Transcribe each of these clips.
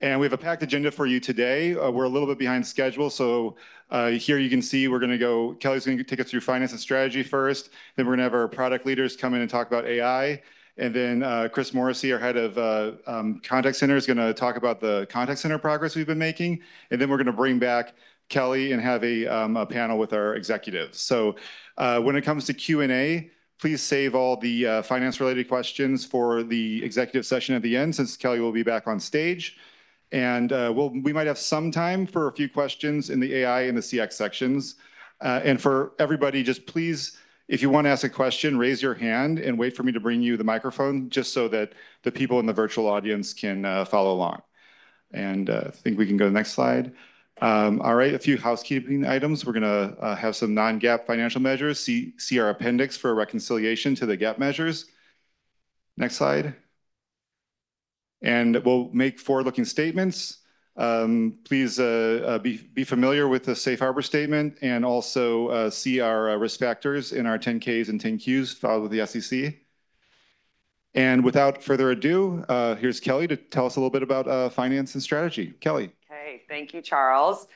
We have a packed agenda for you today. We're a little bit behind schedule. So here you can see we're going to go, Kelly's going to take us through finance and strategy first. Then we're going to have our product leaders come in and talk about AI. And then Chris Morrissey, our Head of Contact Center, is going to talk about the Contact Center progress we've been making. And then we're going to bring back Kelly and have a panel with our executives. So when it comes to Q&A, please save all the finance-related questions for the executive session at the end, since Kelly will be back on stage. And we might have some time for a few questions in the AI and the CX sections. For everybody, just please, if you want to ask a question, raise your hand and wait for me to bring you the microphone, just so that the people in the virtual audience can follow along. I think we can go to the next slide. All right, a few housekeeping items. We're going to have some non-GAAP financial measures. See our appendix for reconciliation to the GAAP measures. Next slide. We'll make forward-looking statements. Please be familiar with the Safe Harbor Statement and also see our risk factors in our 10-Ks and 10-Qs filed with the SEC. Without further ado, here's Kelly to tell us a little bit about finance and strategy. Kelly. Okay, thank you, Charles.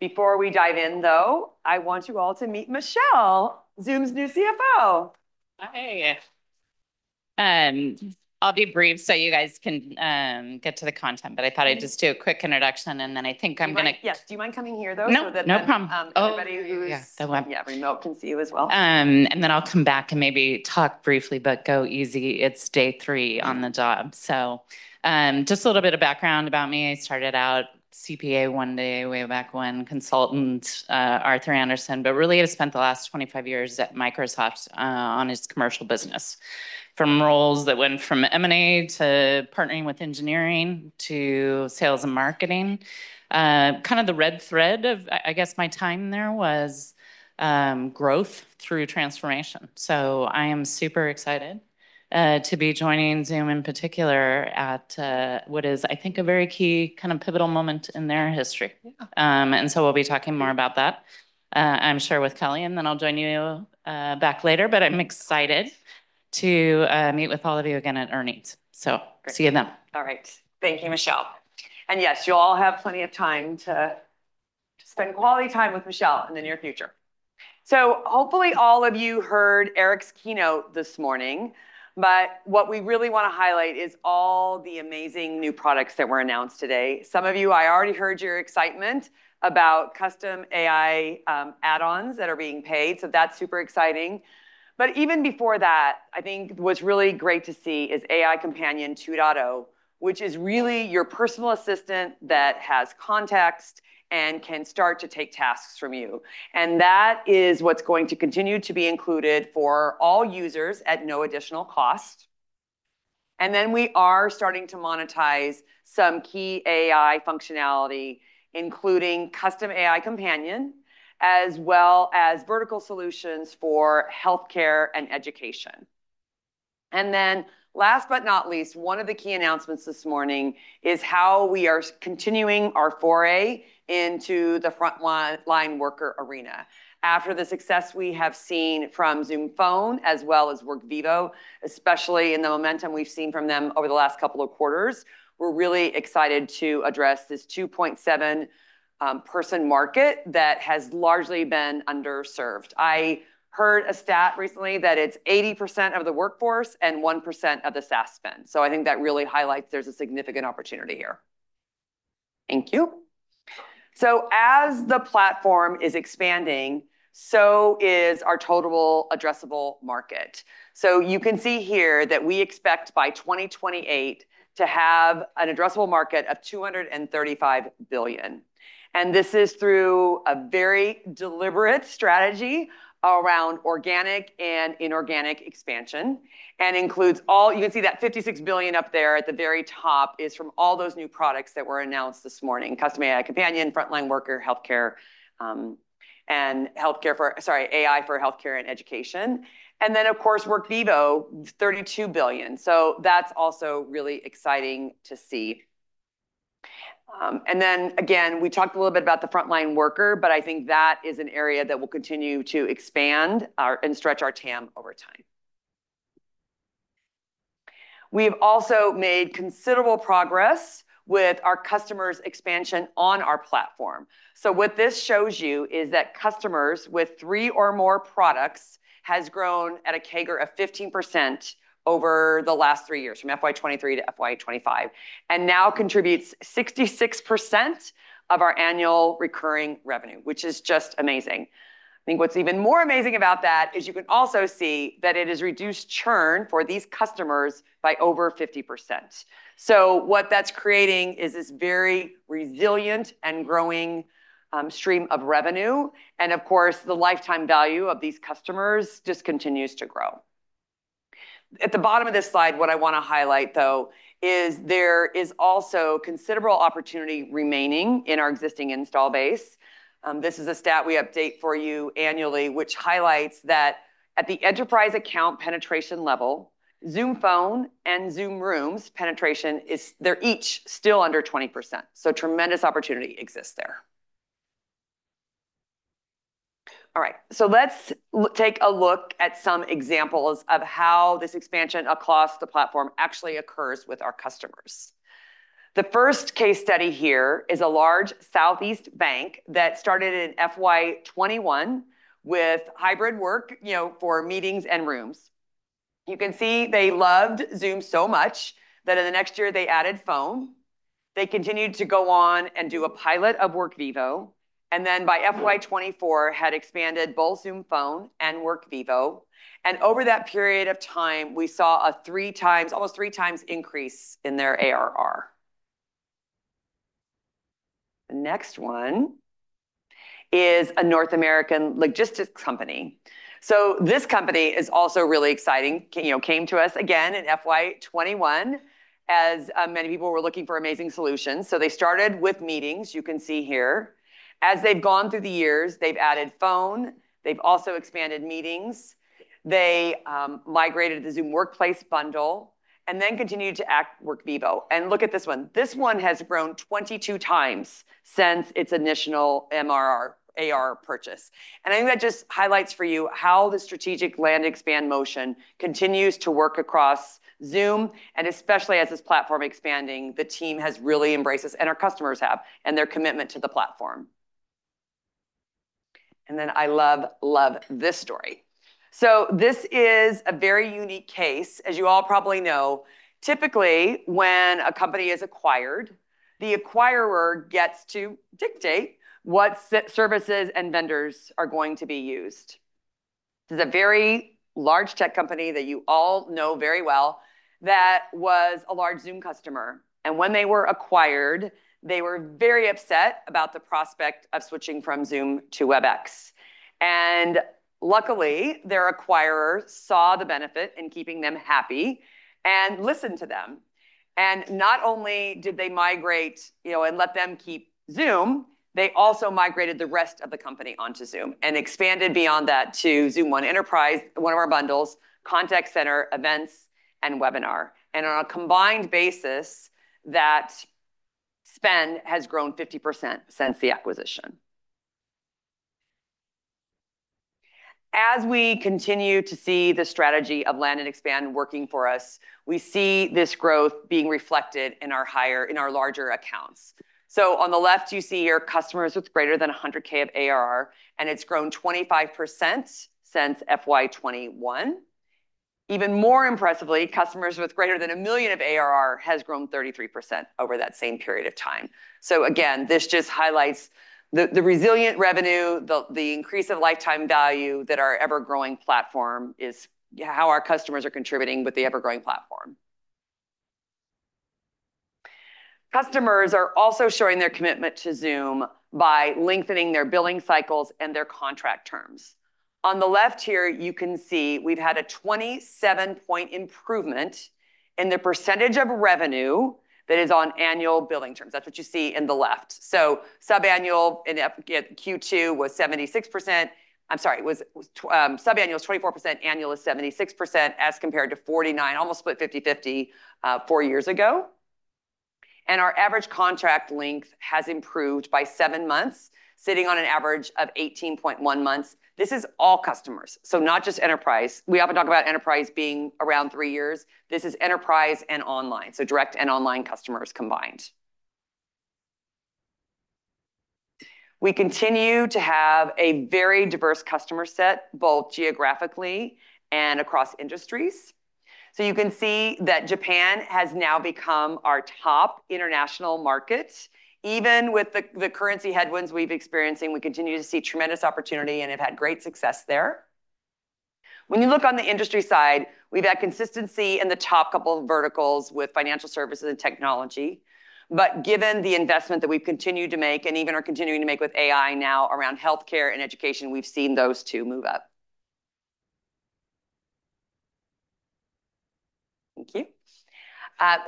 Before we dive in, though, I want you all to meet Michelle, Zoom's new CFO. Hi. I'll be brief so you guys can get to the content, but I thought I'd just do a quick introduction, and then I think I'm going to... Yes, do you mind coming here, though? No, no problem. Everybody who's remote can see you as well. And then I'll come back and maybe talk briefly, but go easy. It's day three on the job. So just a little bit of background about me. I started out as a CPA one day, way back as a consultant at Arthur Andersen, but really I spent the last 25 years at Microsoft on its commercial business, from roles that went from M&A to partnering with engineering to sales and marketing. Kind of the red thread of, I guess, my time there was growth through transformation. So I am super excited to be joining Zoom in particular at what is, I think, a very key kind of pivotal moment in their history. And so we'll be talking more about that, I'm sure, with Kelly, and then I'll join you back later. But I'm excited to meet with all of you again at earnings. So see you then. All right. Thank you, Michelle. And yes, you all have plenty of time to spend quality time with Michelle in the near future. So hopefully all of you heard Eric's keynote this morning. But what we really want to highlight is all the amazing new products that were announced today. Some of you, I already heard your excitement about custom AI add-ons that are being paid. So that's super exciting. But even before that, I think what's really great to see is AI Companion 2.0, which is really your personal assistant that has context and can start to take tasks from you. And that is what's going to continue to be included for all users at no additional cost. And then we are starting to monetize some key AI functionality, including Custom AI Companion, as well as vertical solutions for healthcare and education. And then last but not least, one of the key announcements this morning is how we are continuing our foray into the frontline worker arena. After the success we have seen from Zoom Phone, as well as Workvivo, especially in the momentum we've seen from them over the last couple of quarters, we're really excited to address this 2.7 billion-person market that has largely been underserved. I heard a stat recently that it's 80% of the workforce and 1% of the SaaS spend. So I think that really highlights there's a significant opportunity here. Thank you. So as the platform is expanding, so is our total addressable market. So you can see here that we expect by 2028 to have an addressable market of $235 billion. And this is through a very deliberate strategy around organic and inorganic expansion. And includes all. You can see that $56 billion up there at the very top is from all those new products that were announced this morning: Custom AI Companion, frontline worker, healthcare, and, sorry, AI for healthcare and education. And then, of course, Workvivo, $32 billion. So that's also really exciting to see. And then, again, we talked a little bit about the frontline worker, but I think that is an area that will continue to expand and stretch our TAM over time. We have also made considerable progress with our customers' expansion on our platform. So what this shows you is that customers with three or more products have grown at a CAGR of 15% over the last three years, from FY23-FY25, and now contribute 66% of our annual recurring revenue, which is just amazing. I think what's even more amazing about that is you can also see that it has reduced churn for these customers by over 50%, so what that's creating is this very resilient and growing stream of revenue, and of course, the lifetime value of these customers just continues to grow. At the bottom of this slide, what I want to highlight, though, is there is also considerable opportunity remaining in our existing install base. This is a stat we update for you annually, which highlights that at the enterprise account penetration level, Zoom Phone and Zoom Rooms penetration is, they're each still under 20%. So tremendous opportunity exists there. All right, so let's take a look at some examples of how this expansion across the platform actually occurs with our customers. The first case study here is a large Southeast bank that started in FY21 with hybrid work for meetings and rooms. You can see they loved Zoom so much that in the next year they added Phone. They continued to go on and do a pilot of Workvivo, and then by FY24 had expanded both Zoom Phone and Workvivo. And over that period of time, we saw a three-times, almost three-times increase in their ARR. The next one is a North American logistics company. So this company is also really exciting. It came to us again in FY21, as many people were looking for amazing solutions. So they started with meetings, you can see here. As they've gone through the years, they've added Phone. They've also expanded meetings. They migrated to the Zoom Workplace bundle and then continued to add Workvivo. And look at this one. This one has grown 22x since its initial MRR ARR purchase. And I think that just highlights for you how the strategic land expand motion continues to work across Zoom. And especially as this platform is expanding, the team has really embraced this, and our customers have, and their commitment to the platform. And then I love, love this story. So this is a very unique case, as you all probably know. Typically, when a company is acquired, the acquirer gets to dictate what services and vendors are going to be used. This is a very large tech company that you all know very well that was a large Zoom customer. And when they were acquired, they were very upset about the prospect of switching from Zoom to Webex. And luckily, their acquirer saw the benefit in keeping them happy and listened to them. And not only did they migrate and let them keep Zoom, they also migrated the rest of the company onto Zoom and expanded beyond that to Zoom One Enterprise, one of our bundles, Contact Center, Events, and Webinar. And on a combined basis, that spend has grown 50% since the acquisition. As we continue to see the strategy of land and expand working for us, we see this growth being reflected in our larger accounts. So on the left, you see your customers with greater than 100K of ARR, and it's grown 25% since FY21. Even more impressively, customers with greater than a million of ARR have grown 33% over that same period of time. So again, this just highlights the resilient revenue, the increase of lifetime value that our ever-growing platform is, how our customers are contributing with the ever-growing platform. Customers are also showing their commitment to Zoom by lengthening their billing cycles and their contract terms. On the left here, you can see we've had a 27-point improvement in the percentage of revenue that is on annual billing terms. That's what you see in the left. So sub-annual in Q2 was 76%. I'm sorry, sub-annual was 24%, annual was 76%, as compared to 49, almost split 50-50 four years ago. And our average contract length has improved by seven months, sitting on an average of 18.1 months. This is all customers, so not just enterprise. We often talk about enterprise being around three years. This is enterprise and online, so direct and online customers combined. We continue to have a very diverse customer set, both geographically and across industries. So you can see that Japan has now become our top international market. Even with the currency headwinds we've experienced, we continue to see tremendous opportunity and have had great success there. When you look on the industry side, we've had consistency in the top couple of verticals with financial services and technology. But given the investment that we've continued to make and even are continuing to make with AI now around healthcare and education, we've seen those two move up. Thank you.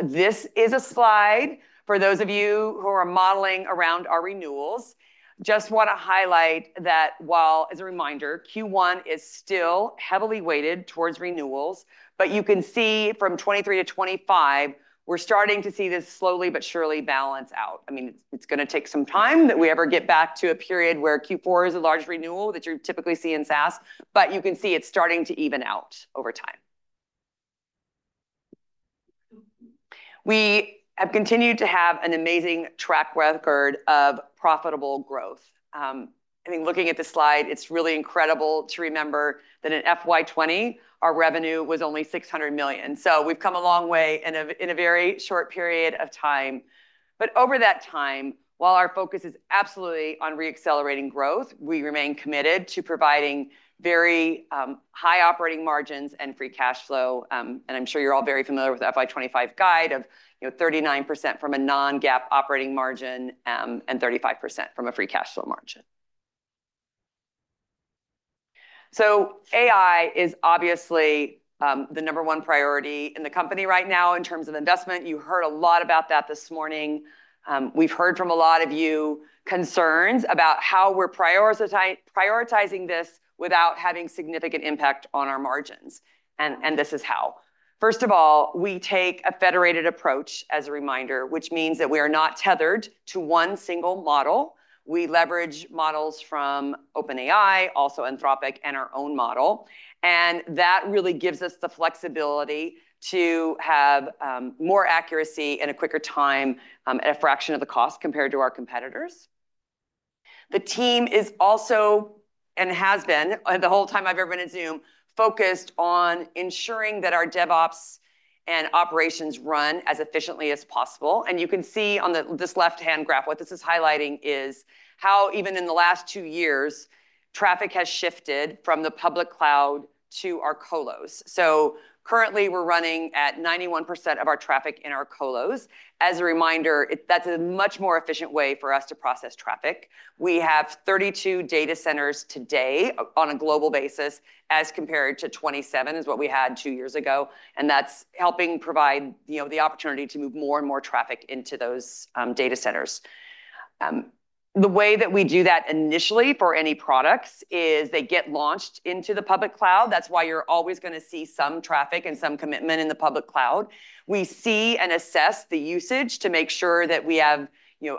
This is a slide for those of you who are modeling around our renewals. Just want to highlight that while, as a reminder, Q1 is still heavily weighted towards renewals, but you can see from 2023-2025, we're starting to see this slowly but surely balance out. I mean, it's going to take some time that we ever get back to a period where Q4 is a large renewal that you typically see in SaaS, but you can see it's starting to even out over time. We have continued to have an amazing track record of profitable growth. I mean, looking at this slide, it's really incredible to remember that in FY20, our revenue was only $600 million. So we've come a long way in a very short period of time. But over that time, while our focus is absolutely on re-accelerating growth, we remain committed to providing very high operating margins and free cash flow, and I'm sure you're all very familiar with the FY25 guide of 39% from a non-GAAP operating margin and 35% from a free cash flow margin. AI is obviously the number one priority in the company right now in terms of investment. You heard a lot about that this morning. We've heard from a lot of you concerns about how we're prioritizing this without having significant impact on our margins. This is how. First of all, we take a federated approach, as a reminder, which means that we are not tethered to one single model. We leverage models from OpenAI, also Anthropic, and our own model. That really gives us the flexibility to have more accuracy in a quicker time at a fraction of the cost compared to our competitors. The team is also and has been the whole time I've ever been at Zoom focused on ensuring that our DevOps and operations run as efficiently as possible. You can see on this left-hand graph what this is highlighting is how even in the last two years, traffic has shifted from the public cloud to our colos. So currently, we're running at 91% of our traffic in our colos. As a reminder, that's a much more efficient way for us to process traffic. We have 32 data centers today on a global basis as compared to 27 is what we had two years ago. And that's helping provide the opportunity to move more and more traffic into those data centers. The way that we do that initially for any products is they get launched into the public cloud. That's why you're always going to see some traffic and some commitment in the public cloud. We see and assess the usage to make sure that we have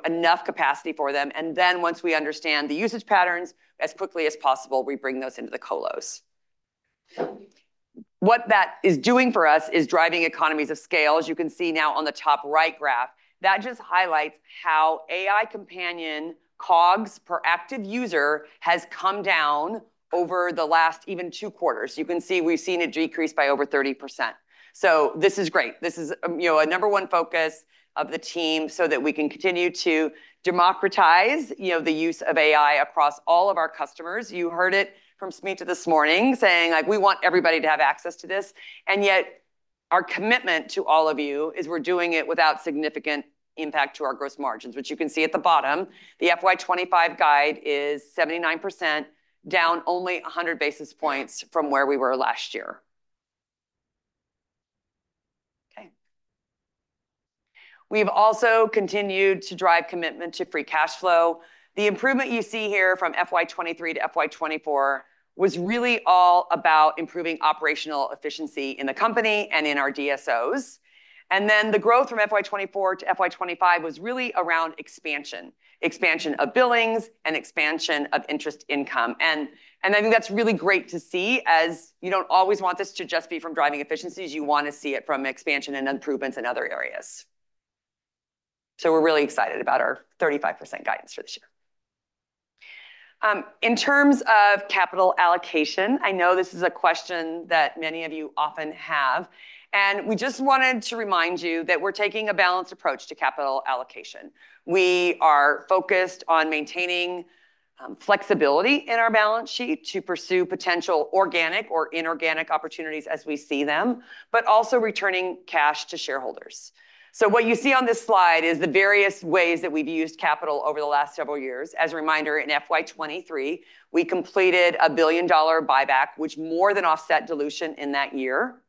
enough capacity for them. And then once we understand the usage patterns, as quickly as possible, we bring those into the colos. What that is doing for us is driving economies of scale. As you can see now on the top right graph, that just highlights how AI Companion COGS per active user has come down over the last even two quarters. You can see we've seen a decrease by over 30%. So this is great. This is a number one focus of the team so that we can continue to democratize the use of AI across all of our customers. You heard it from me this morning saying, "We want everybody to have access to this." And yet our commitment to all of you is we're doing it without significant impact to our gross margins, which you can see at the bottom. The FY25 guide is 79%, down only 100 basis points from where we were last year. Okay. We've also continued to drive commitment to free cash flow. The improvement you see here from FY23-FY24 was really all about improving operational efficiency in the company and in our DSOs, and then the growth from FY24-FY25 was really around expansion, expansion of billings and expansion of interest income, and I think that's really great to see as you don't always want this to just be from driving efficiencies. You want to see it from expansion and improvements in other areas, so we're really excited about our 35% guidance for this year. In terms of capital allocation, I know this is a question that many of you often have, and we just wanted to remind you that we're taking a balanced approach to capital allocation. We are focused on maintaining flexibility in our balance sheet to pursue potential organic or inorganic opportunities as we see them, but also returning cash to shareholders. So what you see on this slide is the various ways that we've used capital over the last several years. As a reminder, in FY23, we completed a $1 billion buyback, which more than offset dilution in that year.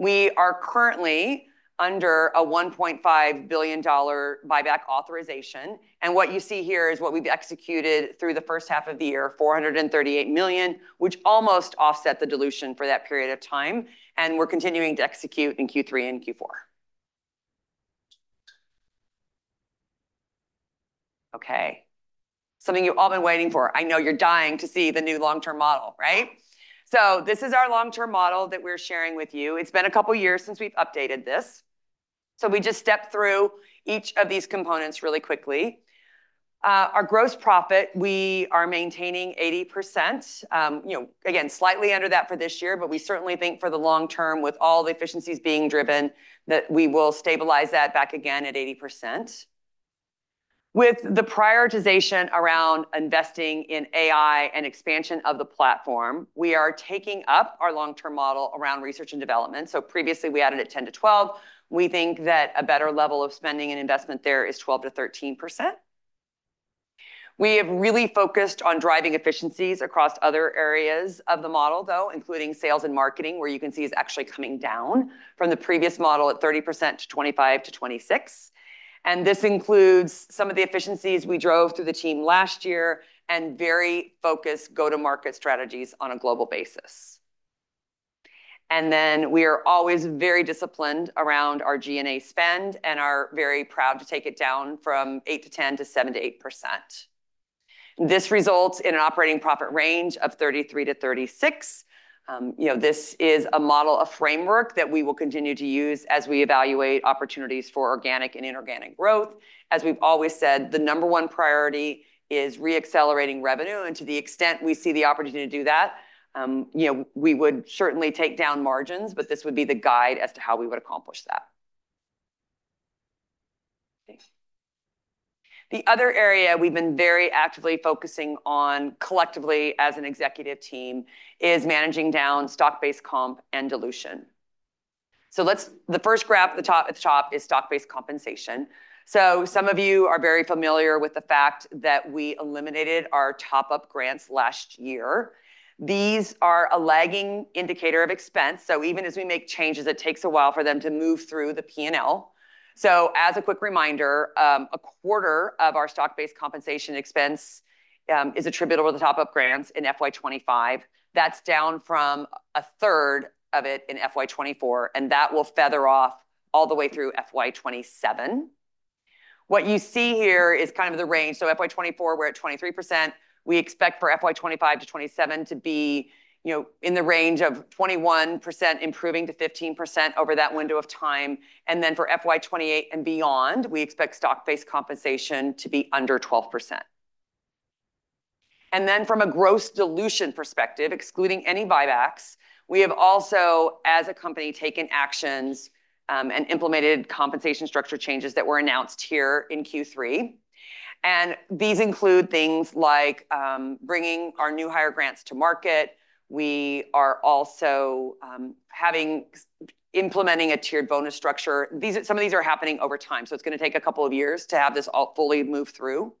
We are currently under a $1.5 billion buyback authorization. And what you see here is what we've executed through the first half of the year, $438 million, which almost offset the dilution for that period of time. And we're continuing to execute in Q3 and Q4. Okay. Something you've all been waiting for. I know you're dying to see the new long-term model, right? So this is our long-term model that we're sharing with you. It's been a couple of years since we've updated this. We just stepped through each of these components really quickly. Our gross profit, we are maintaining 80%. Again, slightly under that for this year, but we certainly think for the long term, with all the efficiencies being driven, that we will stabilize that back again at 80%. With the prioritization around investing in AI and expansion of the platform, we are taking up our long-term model around research and development. Previously, we added at 10%-12%. We think that a better level of spending and investment there is 12%-13%. We have really focused on driving efficiencies across other areas of the model, though, including sales and marketing, where you can see is actually coming down from the previous model at 30% to 25%-26%. And this includes some of the efficiencies we drove through the team last year and very focused go-to-market strategies on a global basis. And then we are always very disciplined around our G&A spend and are very proud to take it down from 8%-10% to 7%-8%. This results in an operating profit range of 33%-36%. This is a model, a framework that we will continue to use as we evaluate opportunities for organic and inorganic growth. As we've always said, the number one priority is re-accelerating revenue. And to the extent we see the opportunity to do that, we would certainly take down margins, but this would be the guide as to how we would accomplish that. The other area we've been very actively focusing on collectively as an executive team is managing down stock-based comp and dilution. The first graph at the top is stock-based compensation. Some of you are very familiar with the fact that we eliminated our top-up grants last year. These are a lagging indicator of expense. Even as we make changes, it takes a while for them to move through the P&L. As a quick reminder, a quarter of our stock-based compensation expense is attributable to top-up grants in FY25. That's down from a third of it in FY24, and that will feather off all the way through FY27. What you see here is kind of the range. FY24, we're at 23%. We expect for FY25-FY27 to be in the range of 21% improving to 15% over that window of time. For FY28 and beyond, we expect stock-based compensation to be under 12%. And then from a gross dilution perspective, excluding any buybacks, we have also, as a company, taken actions and implemented compensation structure changes that were announced here in Q3. And these include things like bringing our new hire grants to market. We are also implementing a tiered bonus structure. Some of these are happening over time, so it's going to take a couple of years to have this all fully move through.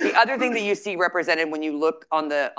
The other thing that you see represented when you look on the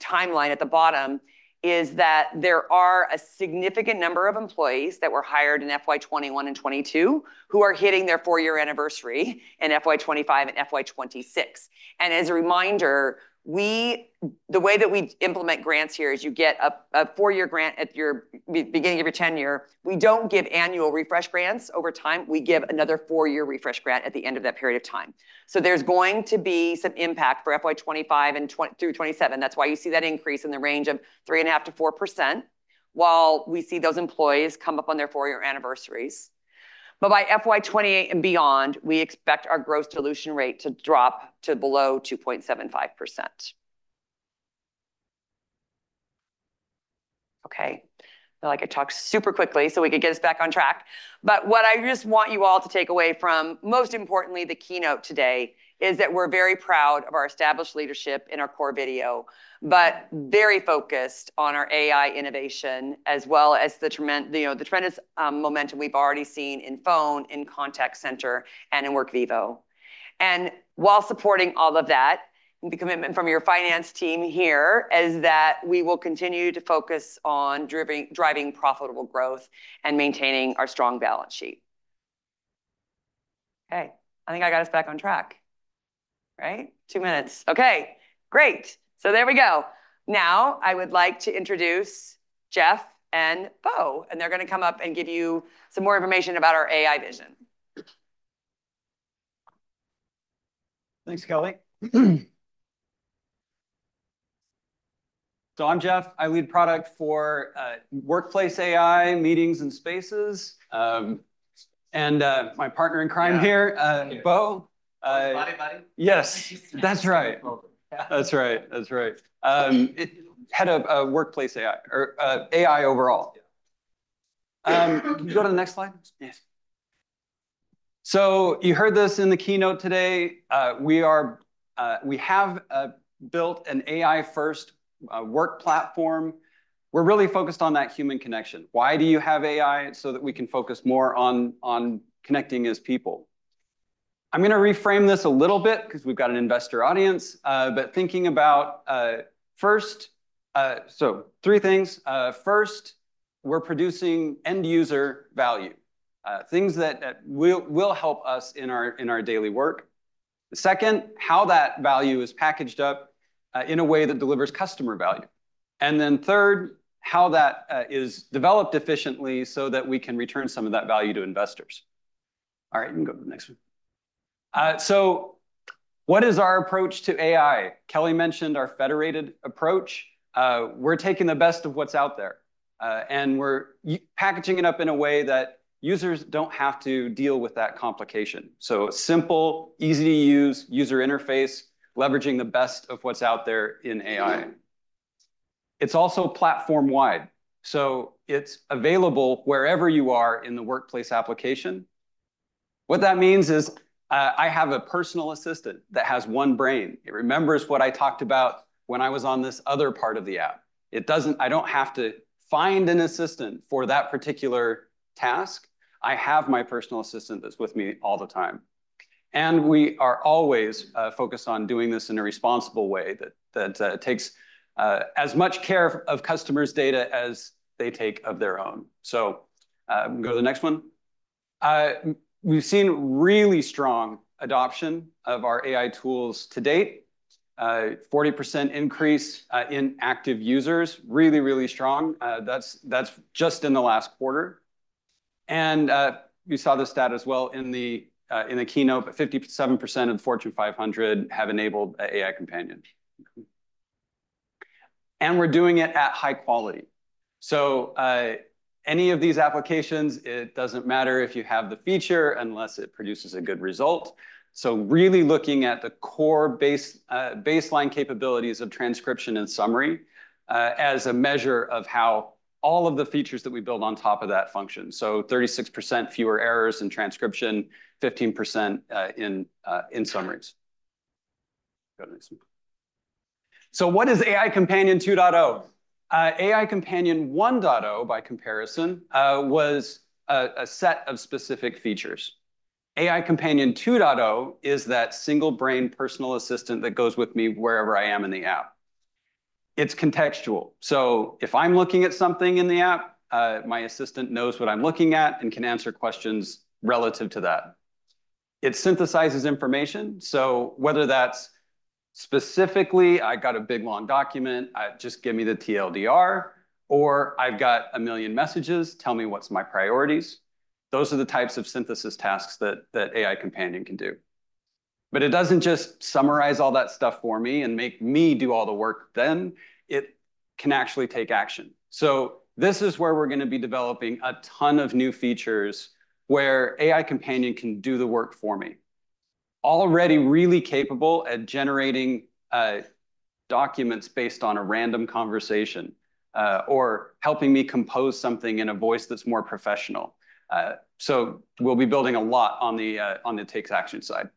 timeline at the bottom is that there are a significant number of employees that were hired in FY 2021 and 2022 who are hitting their four-year anniversary in FY 2025 and FY 2026. And as a reminder, the way that we implement grants here is you get a four-year grant at the beginning of your tenure. We don't give annual refresh grants over time. We give another four-year refresh grant at the end of that period of time. So there's going to be some impact for FY25 and through 2027. That's why you see that increase in the range of 3.5%-4%, while we see those employees come up on their four-year anniversaries. But by FY28 and beyond, we expect our gross dilution rate to drop to below 2.75%. Okay. I feel like I talked super quickly so we could get us back on track. But what I just want you all to take away from, most importantly, the keynote today is that we're very proud of our established leadership in our core video, but very focused on our AI innovation as well as the tremendous momentum we've already seen in Phone, in Contact Center, and in Workvivo. And while supporting all of that, the commitment from your finance team here is that we will continue to focus on driving profitable growth and maintaining our strong balance sheet. Okay. I think I got us back on track. Right? Two minutes. Okay. Great. So there we go. Now I would like to introduce Jeff and Bo, and they're going to come up and give you some more information about our AI vision. Thanks, Kelly. So I'm Jeff. I lead product for Workplace AI Meetings and Spaces. And my partner in crime here, Bo. Buddy, buddy. Yes. That's right. Head of Workplace AI or AI overall. Can you go to the next slide? Yes. So you heard this in the keynote today. We have built an AI-first work platform. We're really focused on that human connection. Why do you have AI? So that we can focus more on connecting as people. I'm going to reframe this a little bit because we've got an investor audience. But thinking about first, so three things. First, we're producing end-user value, things that will help us in our daily work. Second, how that value is packaged up in a way that delivers customer value. And then third, how that is developed efficiently so that we can return some of that value to investors. All right. You can go to the next one. So what is our approach to AI? Kelly mentioned our federated approach. We're taking the best of what's out there, and we're packaging it up in a way that users don't have to deal with that complication. So simple, easy to use user interface, leveraging the best of what's out there in AI. It's also platform-wide. So it's available wherever you are in the Workplace application. What that means is I have a personal assistant that has one brain. It remembers what I talked about when I was on this other part of the app. I don't have to find an assistant for that particular task. I have my personal assistant that's with me all the time. And we are always focused on doing this in a responsible way that takes as much care of customers' data as they take of their own. So go to the next one. We've seen really strong adoption of our AI tools to date, 40% increase in active users, really, really strong. That's just in the last quarter, and you saw this data as well in the keynote, 57% of the Fortune 500 have enabled AI Companion. And we're doing it at high quality, so any of these applications, it doesn't matter if you have the feature unless it produces a good result, so really looking at the core baseline capabilities of transcription and summary as a measure of how all of the features that we build on top of that function, so 36% fewer errors in transcription, 15% in summaries. Go to the next one, so what is AI Companion 2.0? AI Companion 1.0, by comparison, was a set of specific features. AI Companion 2.0 is that single-brain personal assistant that goes with me wherever I am in the app. It's contextual. So if I'm looking at something in the app, my assistant knows what I'm looking at and can answer questions relative to that. It synthesizes information. So whether that's specifically, "I got a big long document, just give me the TL;DR," or "I've got a million messages, tell me what's my priorities," those are the types of synthesis tasks that AI Companion can do. But it doesn't just summarize all that stuff for me and make me do all the work then. It can actually take action. So this is where we're going to be developing a ton of new features where AI Companion can do the work for me. Already really capable at generating documents based on a random conversation or helping me compose something in a voice that's more professional. So we'll be building a lot on the takes action side.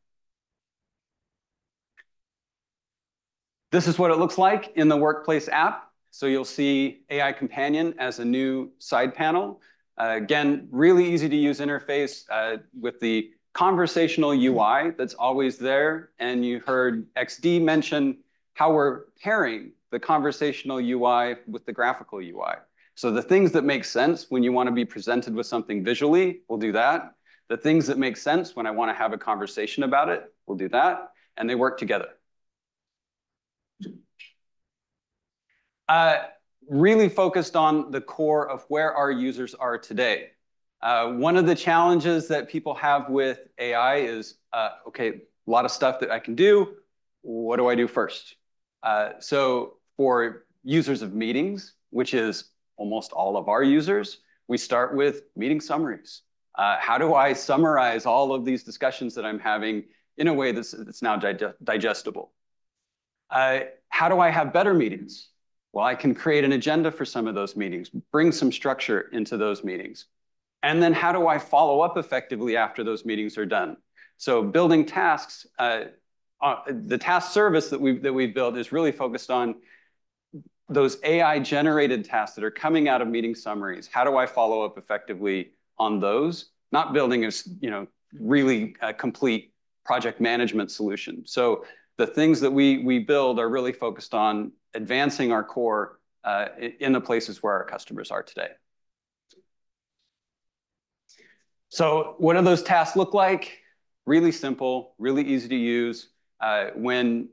This is what it looks like in the Workplace app. So you'll see AI Companion as a new side panel. Again, really easy-to-use interface with the conversational UI that's always there. And you heard XD mention how we're pairing the conversational UI with the graphical UI. So the things that make sense when you want to be presented with something visually, we'll do that. The things that make sense when I want to have a conversation about it, we'll do that. And they work together. Really focused on the core of where our users are today. One of the challenges that people have with AI is, "Okay, a lot of stuff that I can do. What do I do first?" So for users of meetings, which is almost all of our users, we start with meeting summaries. How do I summarize all of these discussions that I'm having in a way that's now digestible? How do I have better meetings? I can create an agenda for some of those meetings, bring some structure into those meetings. How do I follow up effectively after those meetings are done? Building tasks, the task service that we've built is really focused on those AI-generated tasks that are coming out of meeting summaries. How do I follow up effectively on those? Not building a really complete project management solution. The things that we build are really focused on advancing our core in the places where our customers are today. What do those tasks look like? Really simple, really easy to use. When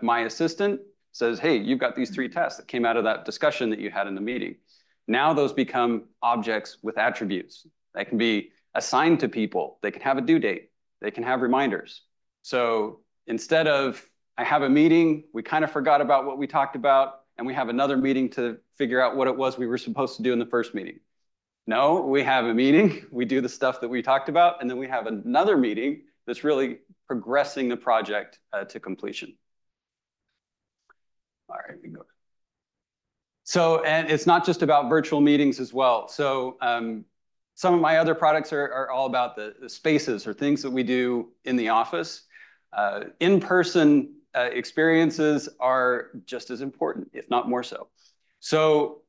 my assistant says, "Hey, you've got these three tasks that came out of that discussion that you had in the meeting," now those become objects with attributes. They can be assigned to people. They can have a due date. They can have reminders. So instead of, "I have a meeting. We kind of forgot about what we talked about, and we have another meeting to figure out what it was we were supposed to do in the first meeting." No, we have a meeting. We do the stuff that we talked about, and then we have another meeting that's really progressing the project to completion. All right. And it's not just about virtual meetings as well. So some of my other products are all about the spaces or things that we do in the office. In-person experiences are just as important, if not more so. So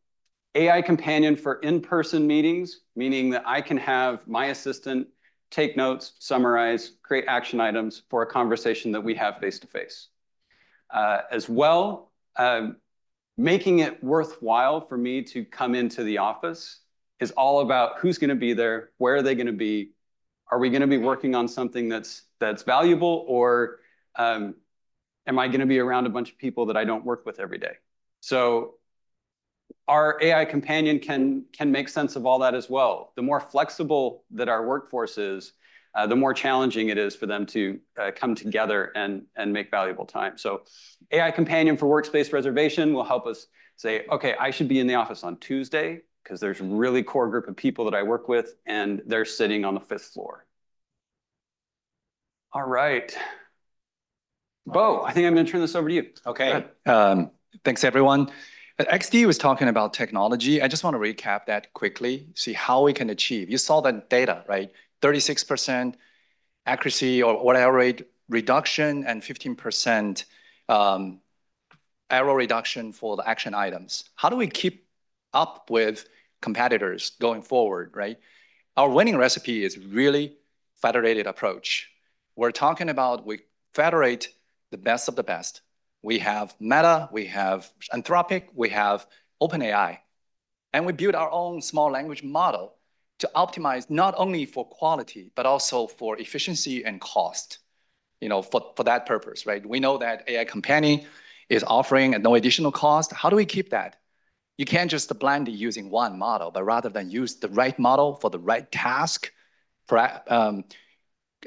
AI Companion for in-person meetings, meaning that I can have my assistant take notes, summarize, create action items for a conversation that we have face-to-face. As well, making it worthwhile for me to come into the office is all about who's going to be there, where are they going to be, are we going to be working on something that's valuable, or am I going to be around a bunch of people that I don't work with every day? So our AI Companion can make sense of all that as well. The more flexible that our workforce is, the more challenging it is for them to come together and make valuable time. AI Companion for Workspace Reservation will help us say, "Okay, I should be in the office on Tuesday because there's a really core group of people that I work with, and they're sitting on the fifth floor." All right. Bo, I think I'm going to turn this over to you. Okay. Thanks, everyone. XD was talking about technology. I just want to recap that quickly, see how we can achieve. You saw that data, right? 36% accuracy or error rate reduction and 15% error reduction for the action items. How do we keep up with competitors going forward, right? Our winning recipe is really federated approach. We're talking about we federate the best of the best. We have Meta, we have Anthropic, we have OpenAI. And we build our own small language model to optimize not only for quality but also for efficiency and cost for that purpose, right? We know that AI Companion is offering at no additional cost. How do we keep that? You can't just blindly use one model, but rather than use the right model for the right task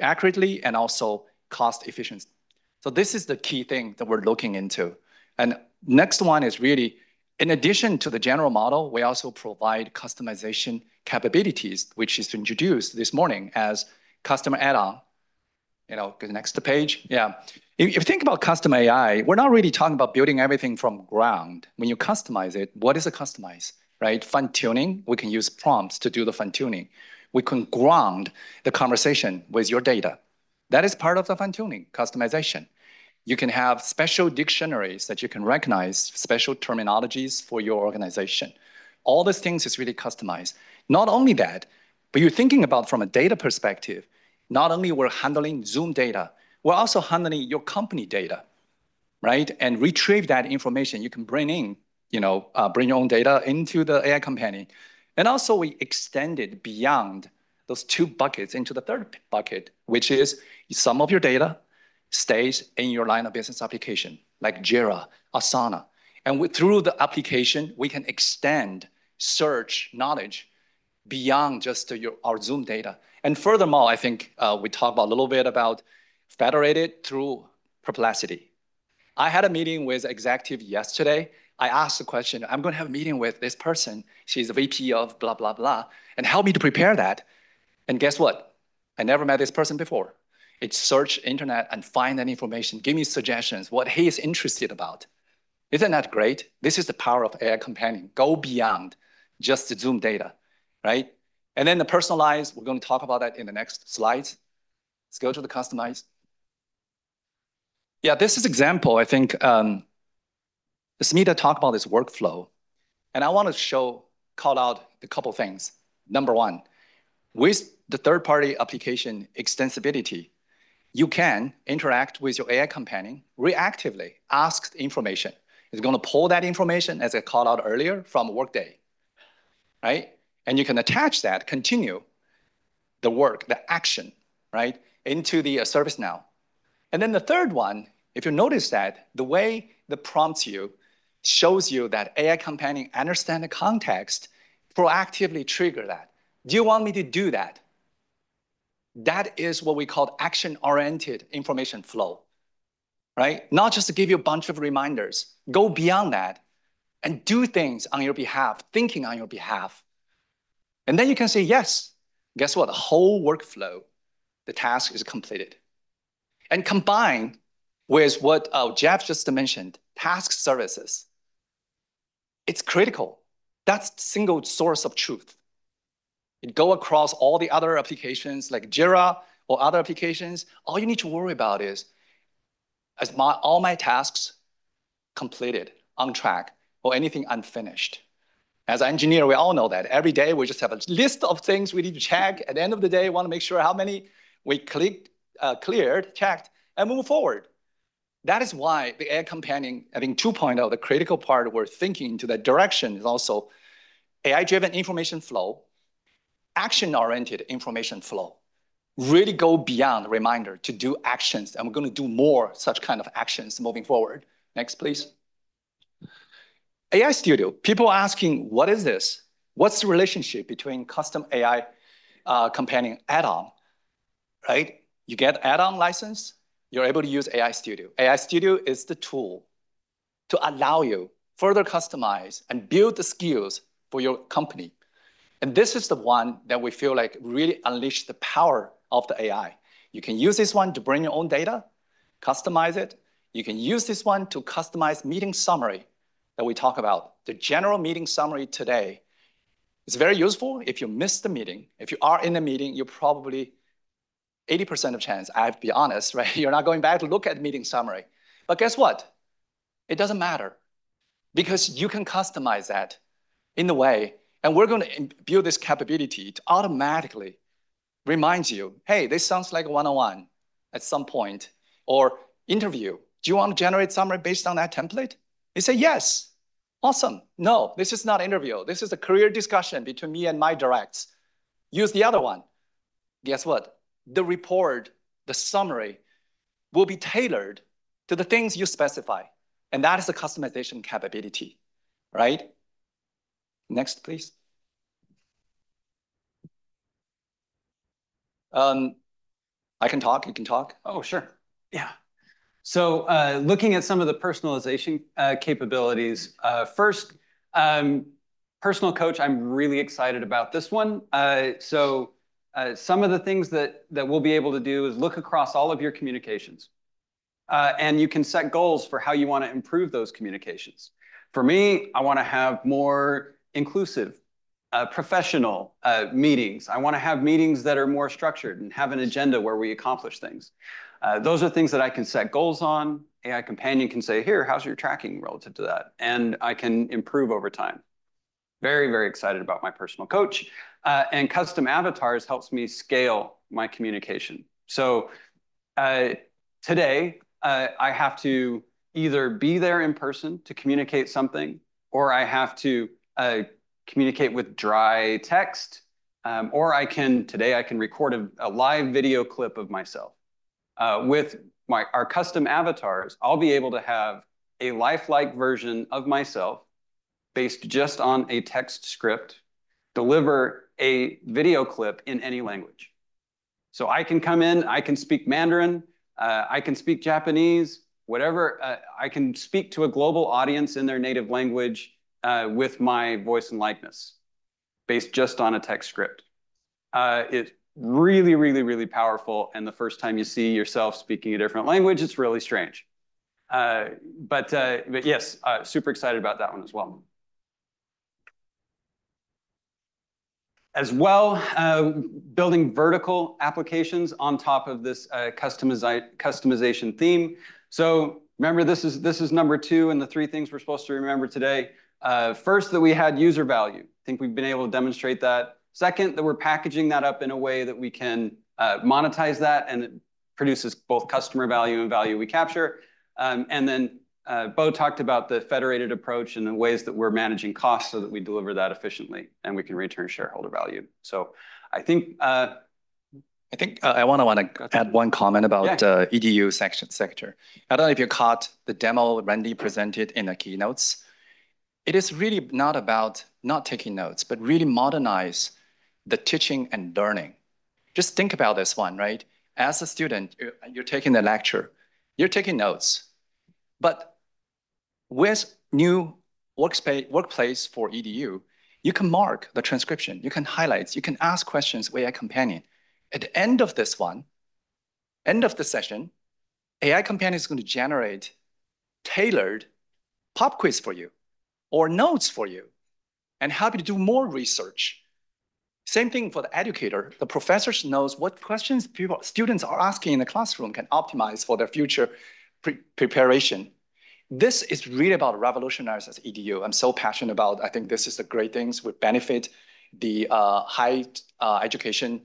accurately and also cost-efficient. So this is the key thing that we're looking into. And the next one is really, in addition to the general model, we also provide customization capabilities, which is introduced this morning as custom add-on. Go to the next page. Yeah. If you think about custom AI, we're not really talking about building everything from ground. When you customize it, what is a customize, right? Fine-tuning. We can use prompts to do the fine-tuning. We can ground the conversation with your data. That is part of the fine-tuning, customization. You can have special dictionaries that you can recognize, special terminologies for your organization. All those things are really customized. Not only that, but you're thinking about from a data perspective, not only we're handling Zoom data, we're also handling your company data, right? And retrieve that information. You can bring in, bring your own data into the AI Companion. And also, we extend it beyond those two buckets into the third bucket, which is some of your data stays in your line of business application, like Jira, Asana. And through the application, we can extend search knowledge beyond just our Zoom data. And furthermore, I think we talked a little bit about federated through Perplexity. I had a meeting with an executive yesterday. I asked the question, "I'm going to have a meeting with this person. She's the VP of blah, blah, blah, and help me to prepare that." And guess what? I never met this person before. It's search internet and find that information. Give me suggestions. What he is interested about. Isn't that great? This is the power of AI Companion. Go beyond just the Zoom data, right? And then the personalized, we're going to talk about that in the next slides. Let's go to the customized. Yeah, this is an example. I think Smita talked about this workflow. And I want to call out a couple of things. Number one, with the third-party application extensibility, you can interact with your AI Companion reactively, ask information. It's going to pull that information, as I called out earlier, from Workday, right? And you can attach that, continue the work, the action, right, into ServiceNow. And then the third one, if you notice that the way the prompt shows you that AI Companion understands the context, proactively trigger that. Do you want me to do that? That is what we call action-oriented information flow, right? Not just to give you a bunch of reminders. Go beyond that and do things on your behalf, thinking on your behalf. And then you can say, "Yes, guess what? The whole workflow, the task is completed." And combined with what Jeff just mentioned, task services, it's critical. That's a single source of truth. It goes across all the other applications like Jira or other applications. All you need to worry about is, "Are all my tasks completed, on track, or anything unfinished?" As an engineer, we all know that. Every day, we just have a list of things we need to check. At the end of the day, we want to make sure how many we cleared, checked, and move forward. That is why the AI Companion, I think, 2.0 is the critical part we're thinking to that direction is also AI-driven information flow, action-oriented information flow, really go beyond the reminder to do actions. And we're going to do more such kind of actions moving forward. Next, please. AI Studio. People are asking, "What is this? What's the relationship between Custom AI Companion add-on, right?" You get add-on license. You're able to use AI Studio. AI Studio is the tool to allow you to further customize and build the skills for your company. And this is the one that we feel like really unleashed the power of the AI. You can use this one to bring your own data, customize it. You can use this one to customize meeting summary that we talk about. The general meeting summary today is very useful if you missed the meeting. If you are in a meeting, you probably have 80% chance, I have to be honest, right? You're not going back to look at the meeting summary. But guess what? It doesn't matter because you can customize that in a way. We're going to build this capability to automatically remind you, "Hey, this sounds like a one-on-one at some point," or interview. Do you want to generate a summary based on that template? They say, "Yes." Awesome. No, this is not an interview. This is a career discussion between me and my directs. Use the other one. Guess what? The report, the summary will be tailored to the things you specify. And that is a customization capability, right? Next, please. I can talk. You can talk. Oh, sure. Yeah, so looking at some of the personalization capabilities, first, personal coach, I'm really excited about this one. So some of the things that we'll be able to do is look across all of your communications. And you can set goals for how you want to improve those communications. For me, I want to have more inclusive, professional meetings. I want to have meetings that are more structured and have an agenda where we accomplish things. Those are things that I can set goals on. AI Companion can say, "Here, how's your tracking relative to that?" And I can improve over time. Very, very excited about my personal coach. And Custom Avatars help me scale my communication. So today, I have to either be there in person to communicate something, or I have to communicate with dry text, or today, I can record a live video clip of myself. With our Custom Avatars, I'll be able to have a lifelike version of myself based just on a text script deliver a video clip in any language. So I can come in. I can speak Mandarin. I can speak Japanese, whatever. I can speak to a global audience in their native language with my voice and likeness based just on a text script. It's really, really, really powerful. And the first time you see yourself speaking a different language, it's really strange. But yes, super excited about that one as well. As well, building vertical applications on top of this customization theme. So remember, this is number two in the three things we're supposed to remember today. First, that we had user value. I think we've been able to demonstrate that. Second, that we're packaging that up in a way that we can monetize that and produce both customer value and value we capture. And then Bo talked about the federated approach and the ways that we're managing costs so that we deliver that efficiently and we can return shareholder value. So I think. I think I want to add one comment about EDU sector. I don't know if you caught the demo Randy presented in the keynotes. It is really not about not taking notes, but really modernizing the teaching and learning. Just think about this one, right? As a student, you're taking the lecture. You're taking notes. But with a new Workplace for EDU, you can mark the transcription. You can highlight. You can ask questions with AI Companion. At the end of this one, end of the session, AI Companion is going to generate tailored pop quiz for you or notes for you and help you to do more research. Same thing for the educator. The professor knows what questions students are asking in the classroom can optimize for their future preparation. This is really about revolutionizing EDU. I'm so passionate about it. I think this is a great thing. It would benefit the higher education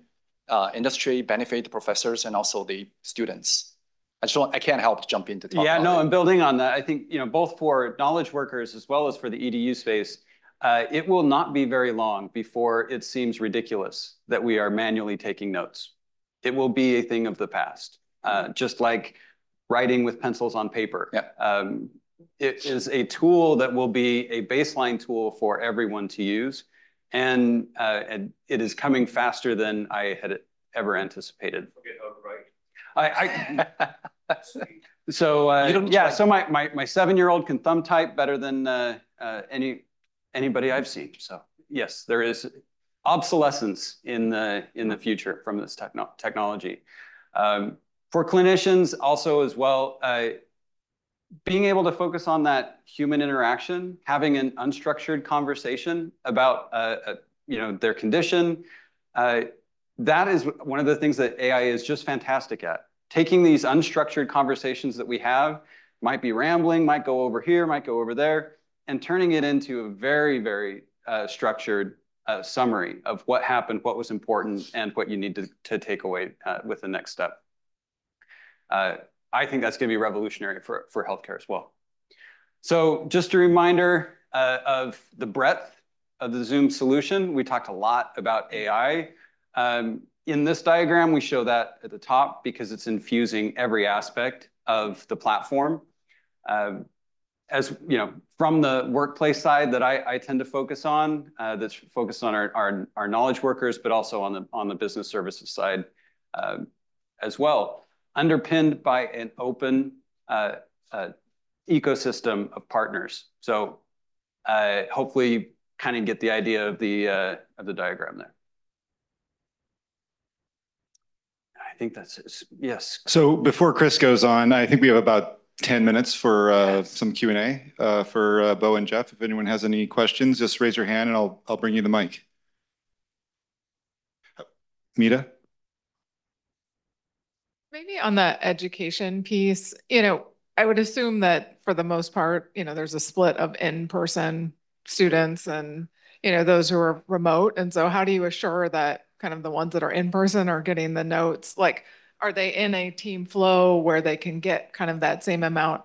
industry, benefit the professors, and also the students. I can't help but jump into talking about it. Yeah, no, I'm building on that. I think both for knowledge workers as well as for the EDU space, it will not be very long before it seems ridiculous that we are manually taking notes. It will be a thing of the past, just like writing with pencils on paper. It is a tool that will be a baseline tool for everyone to use. And it is coming faster than I had ever anticipated. So yeah, so my seven-year-old can thumb-type better than anybody I've seen. So yes, there is obsolescence in the future from this technology. For clinicians also as well, being able to focus on that human interaction, having an unstructured conversation about their condition, that is one of the things that AI is just fantastic at. Taking these unstructured conversations that we have, might be rambling, might go over here, might go over there, and turning it into a very, very structured summary of what happened, what was important, and what you need to take away with the next step. I think that's going to be revolutionary for healthcare as well. So just a reminder of the breadth of the Zoom solution. We talked a lot about AI. In this diagram, we show that at the top because it's infusing every aspect of the platform. From the Workplace side that I tend to focus on, that's focused on our knowledge workers, but also on the business services side as well, underpinned by an open ecosystem of partners. So hopefully, you kind of get the idea of the diagram there. I think that's it. Yes. So before Chris goes on, I think we have about 10 minutes for some Q&A for Bo and Jeff. If anyone has any questions, just raise your hand and I'll bring you the mic. Meta? Maybe on the education piece, I would assume that for the most part, there's a split of in-person students and those who are remote. And so how do you assure that kind of the ones that are in-person are getting the notes? Are they in a team flow where they can get kind of that same amount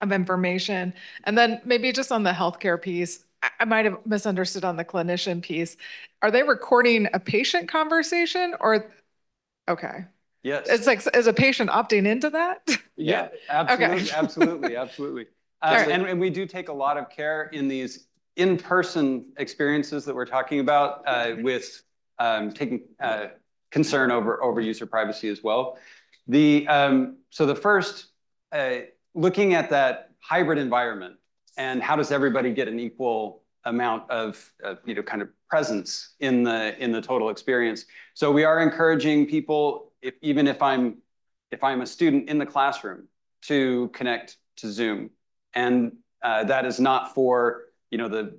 of information? And then maybe just on the healthcare piece, I might have misunderstood on the clinician piece. Are they recording a patient conversation or? Okay. Yes. Is a patient opting into that? Yeah, absolutely. Absolutely. And we do take a lot of care in these in-person experiences that we're talking about with taking concern over user privacy as well. So first, looking at that hybrid environment and how does everybody get an equal amount of kind of presence in the total experience. So we are encouraging people, even if I'm a student in the classroom, to connect to Zoom. And that is not for the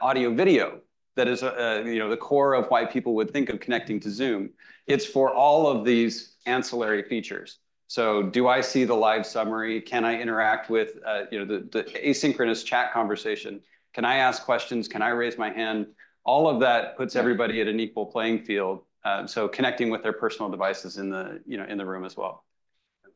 audio-video that is the core of why people would think of connecting to Zoom. It's for all of these ancillary features. So do I see the live summary? Can I interact with the asynchronous chat conversation? Can I ask questions? Can I raise my hand? All of that puts everybody at an equal playing field. So connecting with their personal devices in the room as well.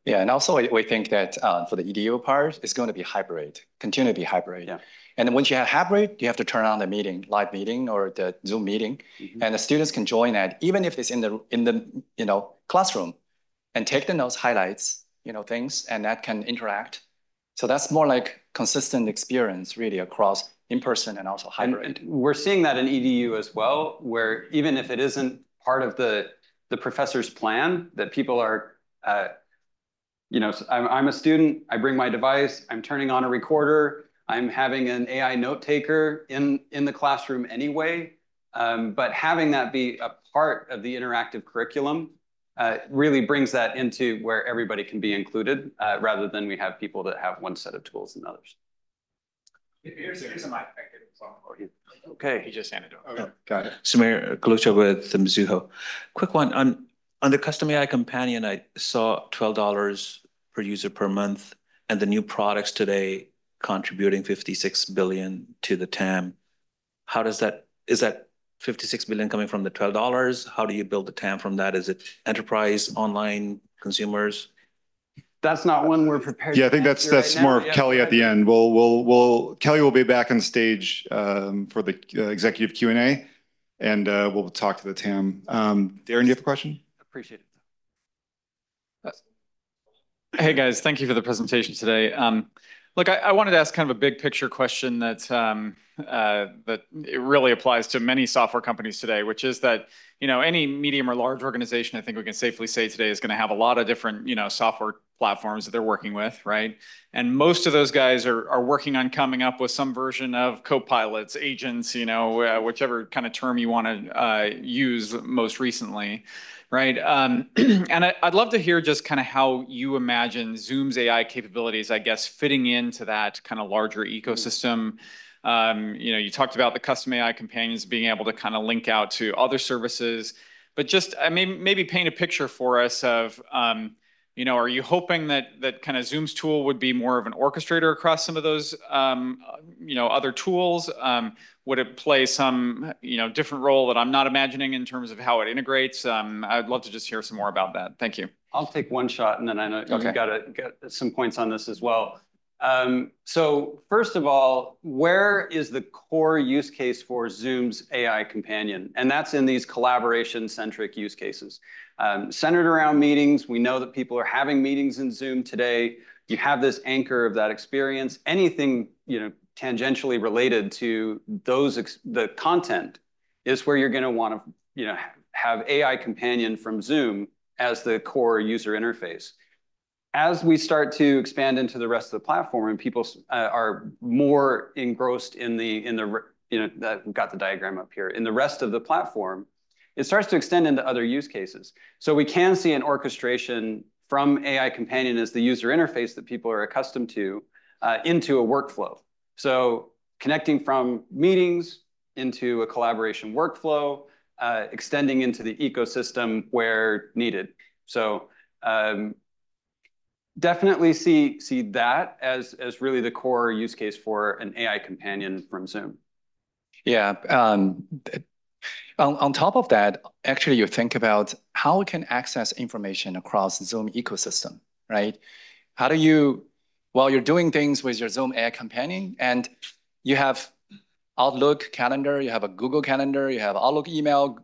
Yeah. And also, we think that for the EDU part, it's going to be hybrid, continue to be hybrid. And once you have hybrid, you have to turn on the meeting, live meeting or the Zoom meeting. And the students can join that, even if it's in the classroom, and take the notes, highlights things, and that can interact. So that's more like a consistent experience, really, across in-person and also hybrid. We're seeing that in EDU as well, where even if it isn't part of the professor's plan, that people are, I'm a student. I bring my device. I'm turning on a recorder. I'm having an AI note taker in the classroom anyway. But having that be a part of the interactive curriculum really brings that into where everybody can be included rather than we have people that have one set of tools and others. Here's a mic. I can talk more. He just handed it over. Okay. Got it. Siti with the Mizuho. Quick one. On the AI Companion, I saw $12 per user per month and the new products today contributing $56 billion to the TAM. Is that $56 billion coming from the $12? How do you build the TAM from that? Is it enterprise, online, consumers? That's not one we're prepared for. Yeah, I think that's more of Kelly at the end. Kelly will be back on stage for the executive Q&A, and we'll talk to the TAM. Darrin, do you have a question? Appreciate it. Hey, guys. Thank you for the presentation today. Look, I wanted to ask kind of a big picture question that really applies to many software companies today, which is that any medium or large organization, I think we can safely say today, is going to have a lot of different software platforms that they're working with, right? And most of those guys are working on coming up with some version of Copilots, agents, whichever kind of term you want to use most recently, right? And I'd love to hear just kind of how you imagine Zoom's AI capabilities, I guess, fitting into that kind of larger ecosystem. You talked about the Custom AI Companions being able to kind of link out to other services. But just maybe paint a picture for us of are you hoping that kind of Zoom's tool would be more of an orchestrator across some of those other tools? Would it play some different role that I'm not imagining in terms of how it integrates? I'd love to just hear some more about that. Thank you. I'll take one shot, and then I know you've got some points on this as well. So first of all, where is the core use case for Zoom's AI Companion? And that's in these collaboration-centric use cases. Centered around meetings, we know that people are having meetings in Zoom today. You have this anchor of that experience. Anything tangentially related to the content is where you're going to want to have AI Companion from Zoom as the core user interface. As we start to expand into the rest of the platform and people are more engrossed in the. I've got the diagram up here. In the rest of the platform, it starts to extend into other use cases. So we can see an orchestration from AI Companion as the user interface that people are accustomed to into a workflow. So connecting from meetings into a collaboration workflow, extending into the ecosystem where needed. So definitely see that as really the core use case for an AI Companion from Zoom. Yeah. On top of that, actually, you think about how it can access information across the Zoom ecosystem, right? How do you, while you're doing things with your Zoom AI Companion, and you have Outlook calendar, you have a Google calendar, you have Outlook email,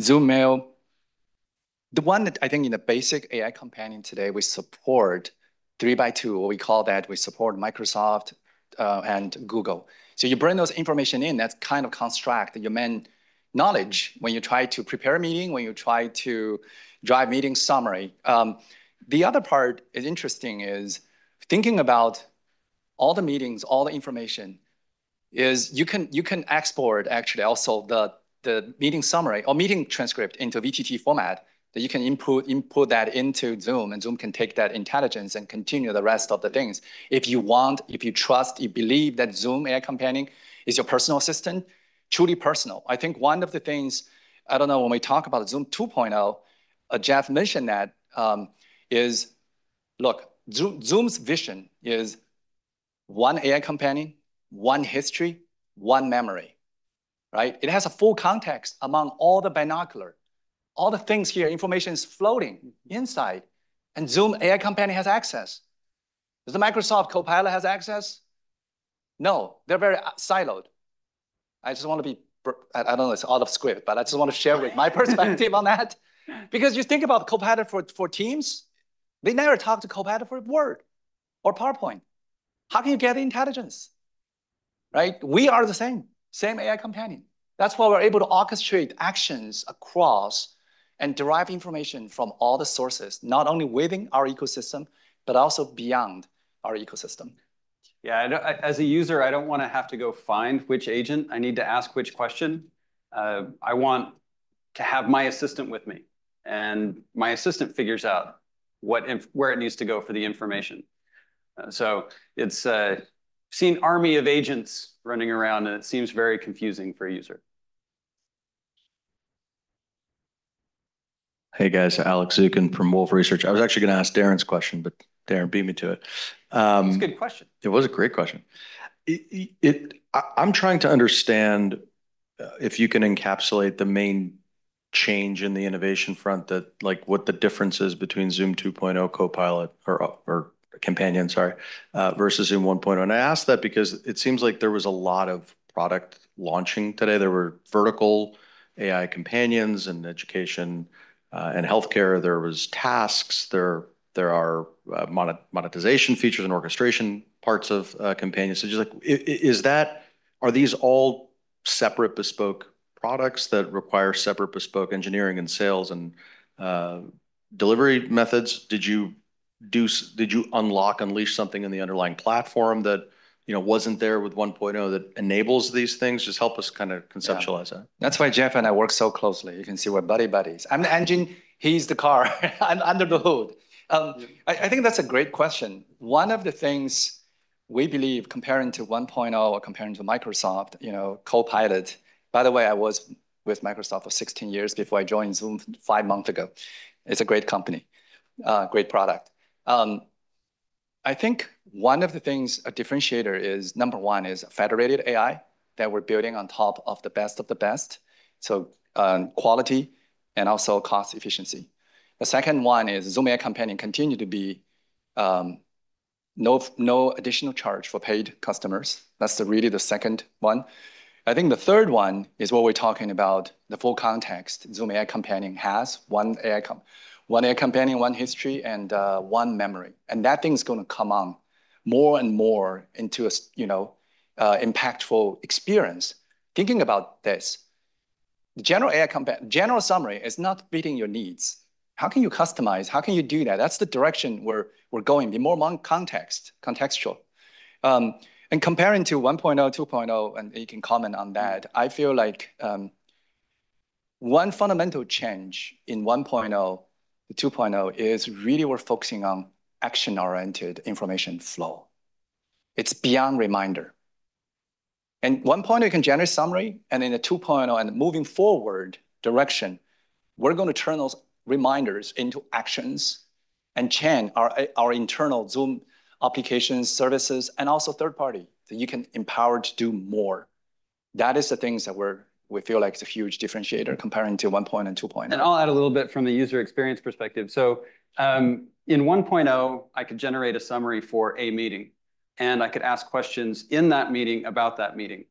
Zoom Mail. The one that I think in the basic AI Companion today, we support M365, or we call that we support Microsoft and Google. So you bring those information in. That's kind of construct your main knowledge when you try to prepare a meeting, when you try to drive meeting summary. The other part is interesting is thinking about all the meetings, all the information is you can export actually also the meeting summary or meeting transcript into VTT format that you can input that into Zoom, and Zoom can take that intelligence and continue the rest of the things. If you want, if you trust, you believe that Zoom AI Companion is your personal assistant, truly personal. I think one of the things, I don't know, when we talk about Zoom 2.0, Jeff mentioned that is, look, Zoom's vision is one AI Companion, one history, one memory, right? It has a full context among all the Zoom apps, all the things here, information is floating inside, and Zoom AI Companion has access. Does the Microsoft Copilot have access? No, they're very siloed. I just want to be I don't know. It's out of script, but I just want to share with my perspective on that. Because you think about Copilot for Teams, they never talked to Copilot for Word or PowerPoint. How can you get intelligence, right? We are the same, same AI Companion. That's why we're able to orchestrate actions across and derive information from all the sources, not only within our ecosystem, but also beyond our ecosystem. Yeah. As a user, I don't want to have to go find which agent. I need to ask which question. I want to have my assistant with me, and my assistant figures out where it needs to go for the information. So it's seen an army of agents running around, and it seems very confusing for a user. Hey, guys. Alex Zukin from Wolfe Research. I was actually going to ask Darrin's question, but Darrin beat me to it. That's a good question. It was a great question. I'm trying to understand if you can encapsulate the main change in the innovation front, what the difference is between Zoom 2.0 Copilot or Companion, sorry, versus Zoom 1.0, and I ask that because it seems like there was a lot of product launching today. There were vertical AI Companions and education and healthcare. There was Tasks. There are monetization features and orchestration parts of Companions, so are these all separate bespoke products that require separate bespoke engineering and sales and delivery methods? Did you unlock, unleash something in the underlying platform that wasn't there with 1.0 that enables these things? Just help us kind of conceptualize that. That's why Jeff and I work so closely. You can see where buddy-buddy is. I'm the engine. He's the car under the hood. I think that's a great question. One of the things we believe, comparing to 1.0 or comparing to Microsoft Copilot, by the way, I was with Microsoft for 16 years before I joined Zoom five months ago. It's a great company, great product. I think one of the things, a differentiator is number one is federated AI that we're building on top of the best of the best. So quality and also cost efficiency. The second one is Zoom AI Companion continues to be no additional charge for paid customers. That's really the second one. I think the third one is what we're talking about, the full context. Zoom AI Companion has one AI Companion, one history, and one memory. And that thing is going to come on more and more into an impactful experience. Thinking about this, the general summary is not fitting your needs. How can you customize? How can you do that? That's the direction we're going, be more contextual. And comparing to 1.0, 2.0, and you can comment on that, I feel like one fundamental change in 1.0-2.0 is really we're focusing on action-oriented information flow. It's beyond reminder. And 1.0 can generate summary, and in the 2.0 and moving forward direction, we're going to turn those reminders into actions and change our internal Zoom application services and also third party that you can empower to do more. That is the things that we feel like it's a huge differentiator comparing to 1.0 and 2.0. And I'll add a little bit from the user experience perspective. So in 1.0, I could generate a summary for a meeting, and I could ask questions in that meeting about that meeting.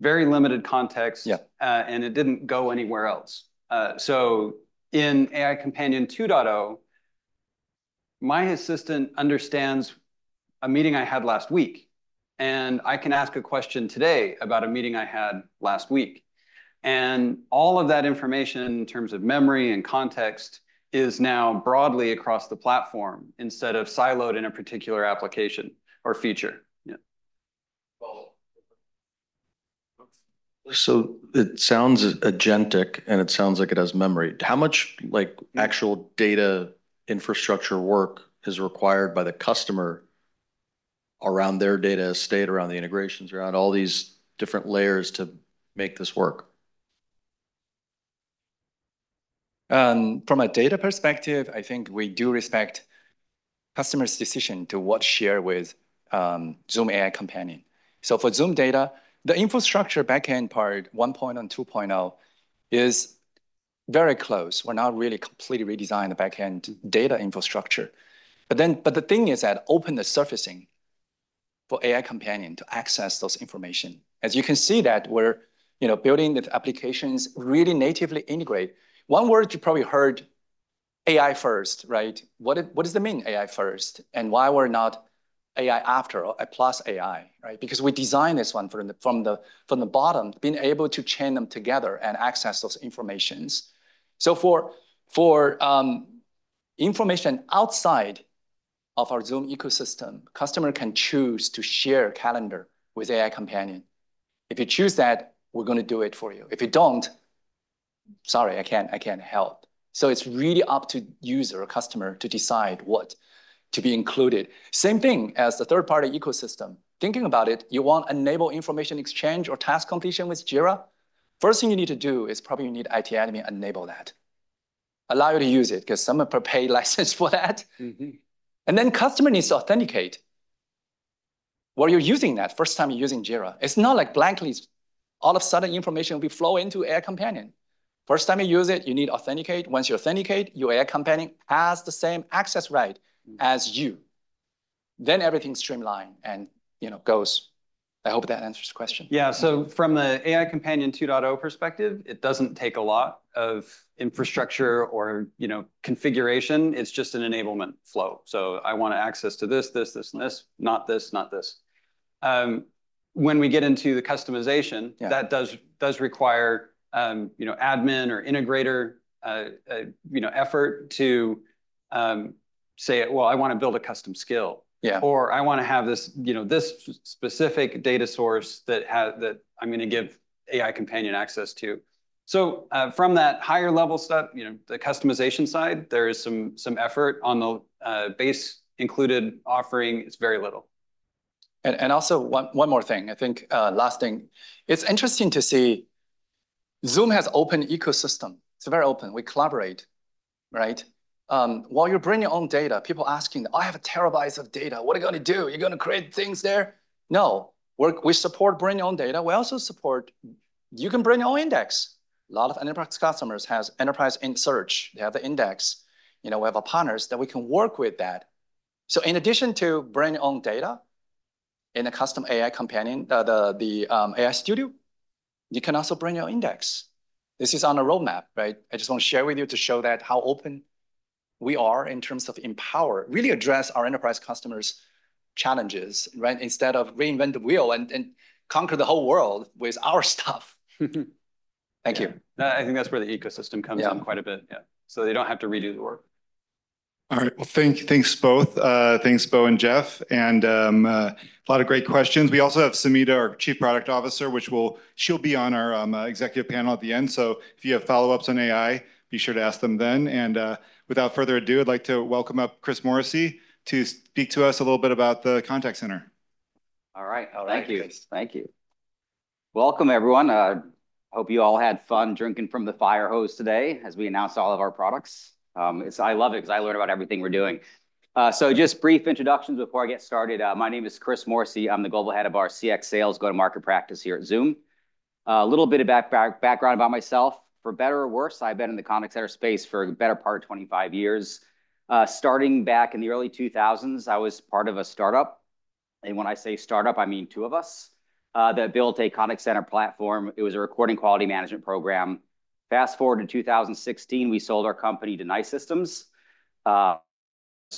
Very limited context, and it didn't go anywhere else. So in AI Companion 2.0, my assistant understands a meeting I had last week, and I can ask a question today about a meeting I had last week. And all of that information in terms of memory and context is now broadly across the platform instead of siloed in a particular application or feature. So it sounds agentic, and it sounds like it has memory. How much actual data infrastructure work is required by the customer around their data estate, around the integrations, around all these different layers to make this work? From a data perspective, I think we do respect customer's decision to what to share with Zoom AI Companion, so for Zoom data, the infrastructure backend part, 1.0 and 2.0 is very close. We're not really completely redesigning the backend data infrastructure, but the thing is that opens the surfacing for AI Companion to access those information. As you can see that we're building the applications really natively integrate. One word you probably heard, AI first, right? What does it mean, AI first, and why we're not AI after or plus AI, right? Because we designed this one from the bottom, being able to chain them together and access those informations, so for information outside of our Zoom ecosystem, customer can choose to share calendar with AI Companion. If you choose that, we're going to do it for you. If you don't, sorry, I can't help. So it's really up to user or customer to decide what to be included. Same thing as the third-party ecosystem. Thinking about it, you want enable information exchange or task completion with Jira. First thing you need to do is probably you need IT admin enable that. Allow you to use it because someone prepay license for that. And then customer needs to authenticate where you're using that first time you're using Jira. It's not like blankly all of a sudden information will be flow into AI Companion. First time you use it, you need authenticate. Once you authenticate, your AI Companion has the same access right as you. Then everything's streamlined and goes. I hope that answers the question. Yeah. So from the AI Companion 2.0 perspective, it doesn't take a lot of infrastructure or configuration. It's just an enablement flow. So I want to access to this, this, this, and this, not this, not this. When we get into the customization, that does require admin or integrator effort to say, well, I want to build a custom skill, or I want to have this specific data source that I'm going to give AI Companion access to. So from that higher level stuff, the customization side, there is some effort on the base included offering. It's very little. And also one more thing, I think last thing. It's interesting to see Zoom has open ecosystem. It's very open. We collaborate, right? While you're bringing your own data, people asking, I have a terabytes of data. What are you going to do? You're going to create things there? No. We support bring your own data. We also support you can bring your own index. A lot of enterprise customers have enterprise search. They have the index. We have partners that we can work with that. So in addition to bring your own data in a Custom AI Companion, the AI Studio, you can also bring your index. This is on a roadmap, right? I just want to share with you to show that how open we are in terms of empowering, really address our enterprise customers' challenges, right? Instead of reinvent the wheel and conquer the whole world with our stuff. Thank you. I think that's where the ecosystem comes in quite a bit. Yeah. So they don't have to redo the work. All right. Well, thanks both. Thanks, Bo and Jeff. And a lot of great questions. We also have Smita, our Chief Product Officer, which she'll be on our executive panel at the end. So if you have follow-ups on AI, be sure to ask them then. And without further ado, I'd like to welcome up Chris Morrissey to speak to us a little bit about the Contact Center. All right. Oh, thank you. Thank you. Welcome, everyone. I hope you all had fun drinking from the fire hose today as we announced all of our products. I love it because I learned about everything we're doing, so just brief introductions before I get started. My name is Chris Morrissey. I'm the global head of our CX sales, go-to-market practice here at Zoom. A little bit of background about myself. For better or worse, I've been in the Contact Center space for the better part of 25 years. Starting back in the early 2000s, I was part of a startup, and when I say startup, I mean two of us. We built a Contact Center platform; it was a recording quality management program. Fast forward to 2016, we sold our company to NICE Systems.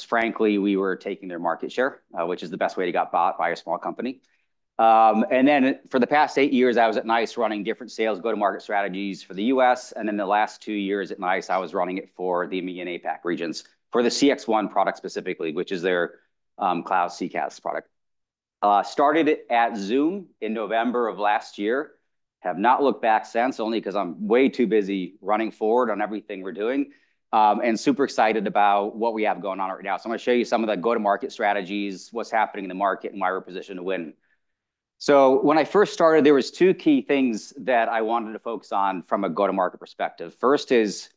Frankly, we were taking their market share, which is the best way to get bought by a small company, and then for the past eight years, I was at NICE running different sales go-to-market strategies for the US, and then the last two years at NICE, I was running it for the EMEA and APAC regions for the CXone product specifically, which is their cloud CCaaS product. Started at Zoom in November of last year. Have not looked back since, only because I'm way too busy running forward on everything we're doing and super excited about what we have going on right now, so I'm going to show you some of the go-to-market strategies, what's happening in the market, and why we're positioned to win, so when I first started, there were two key things that I wanted to focus on from a go-to-market perspective. First is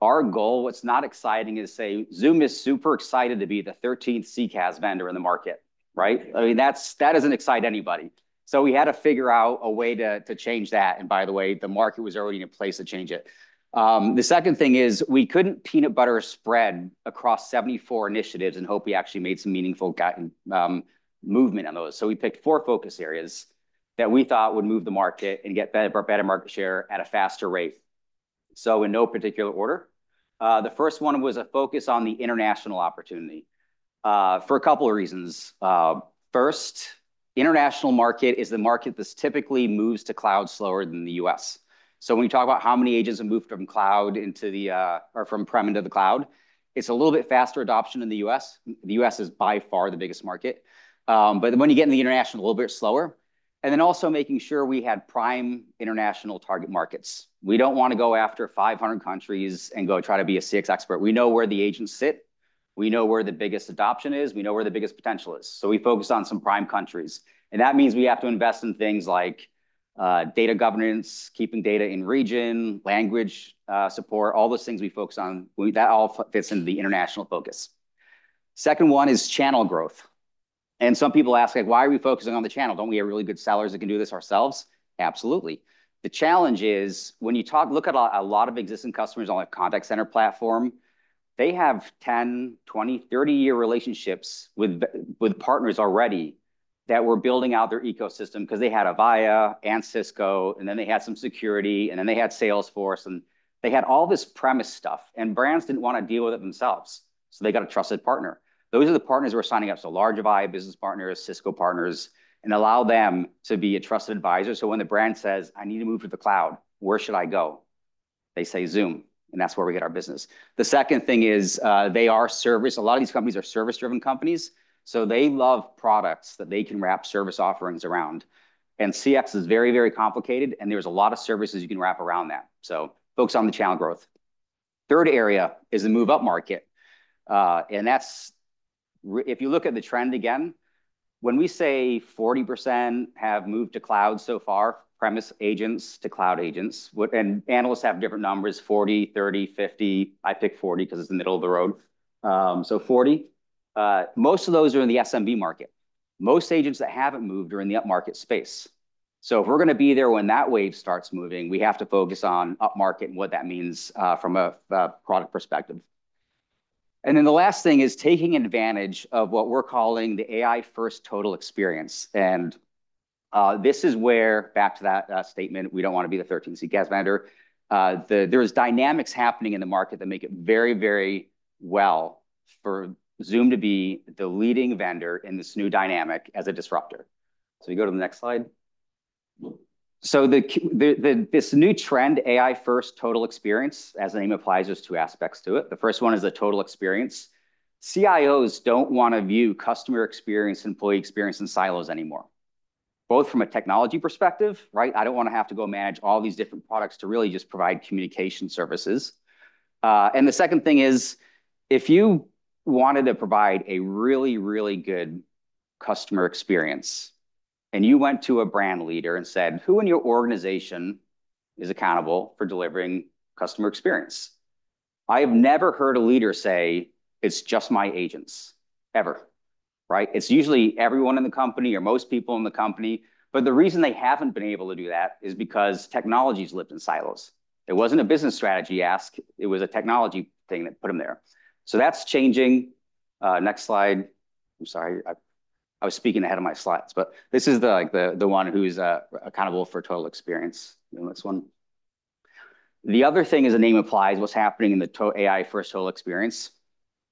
our goal. What's not exciting is to say Zoom is super excited to be the 13th CCaaS vendor in the market, right? I mean, that doesn't excite anybody. So we had to figure out a way to change that. And by the way, the market was already in place to change it. The second thing is we couldn't peanut butter spread across 74 initiatives and hope we actually made some meaningful movement on those. So we picked four focus areas that we thought would move the market and get better market share at a faster rate. So in no particular order, the first one was a focus on the international opportunity for a couple of reasons. First, international market is the market that typically moves to cloud slower than the U.S. So when you talk about how many agents have moved from on-prem into the cloud, it's a little bit faster adoption in the U.S. The U.S. is by far the biggest market. But when you get in the international, a little bit slower. And then also making sure we had prime international target markets. We don't want to go after 500 countries and go try to be a CX expert. We know where the agents sit. We know where the biggest adoption is. We know where the biggest potential is. So we focus on some prime countries. And that means we have to invest in things like data governance, keeping data in region, language support, all those things we focus on. That all fits into the international focus. Second one is channel growth. And some people ask, like, why are we focusing on the channel? Don't we have really good sellers that can do this ourselves? Absolutely. The challenge is when you look at a lot of existing customers on a Contact Center platform, they have 10, 20, 30-year relationships with partners already that were building out their ecosystem because they had Avaya and Cisco, and then they had some security, and then they had Salesforce, and they had all this premise stuff. And brands didn't want to deal with it themselves. So they got a trusted partner. Those are the partners we're signing up. So large VAR business partners, Cisco partners, and allow them to be a trusted advisor. So when the brand says, "I need to move to the cloud, where should I go?" They say Zoom, and that's where we get our business. The second thing is they are service. A lot of these companies are service-driven companies. So they love products that they can wrap service offerings around. And CX is very, very complicated, and there's a lot of services you can wrap around that. So focus on the channel growth. Third area is the move-up market. And if you look at the trend again, when we say 40% have moved to cloud so far, premise agents to cloud agents, and analysts have different numbers, 40, 30, 50. I pick 40 because it's the middle of the road. So 40. Most of those are in the SMB market. Most agents that haven't moved are in the upmarket space. So if we're going to be there when that wave starts moving, we have to focus on upmarket and what that means from a product perspective. And then the last thing is taking advantage of what we're calling the AI-first total experience. This is where, back to that statement, we don't want to be the 13th CCaaS vendor. There are dynamics happening in the market that make it very, very well for Zoom to be the leading vendor in this new dynamic as a disruptor, so you go to the next slide. This new trend, AI-first total experience, as the name implies, there's two aspects to it. The first one is the total experience. CIOs don't want to view customer experience, employee experience in silos anymore, both from a technology perspective, right? I don't want to have to go manage all these different products to really just provide communication services. And the second thing is, if you wanted to provide a really, really good customer experience, and you went to a brand leader and said, "Who in your organization is accountable for delivering customer experience?" I have never heard a leader say, "It's just my agents," ever, right? It's usually everyone in the company or most people in the company. But the reason they haven't been able to do that is because technology has lived in silos. It wasn't a business strategy ask. It was a technology thing that put them there. So that's changing. Next slide. I'm sorry. I was speaking ahead of my slots, but this is the one who's accountable for total experience. This one. The other thing, as the name implies, what's happening in the AI-first total experience.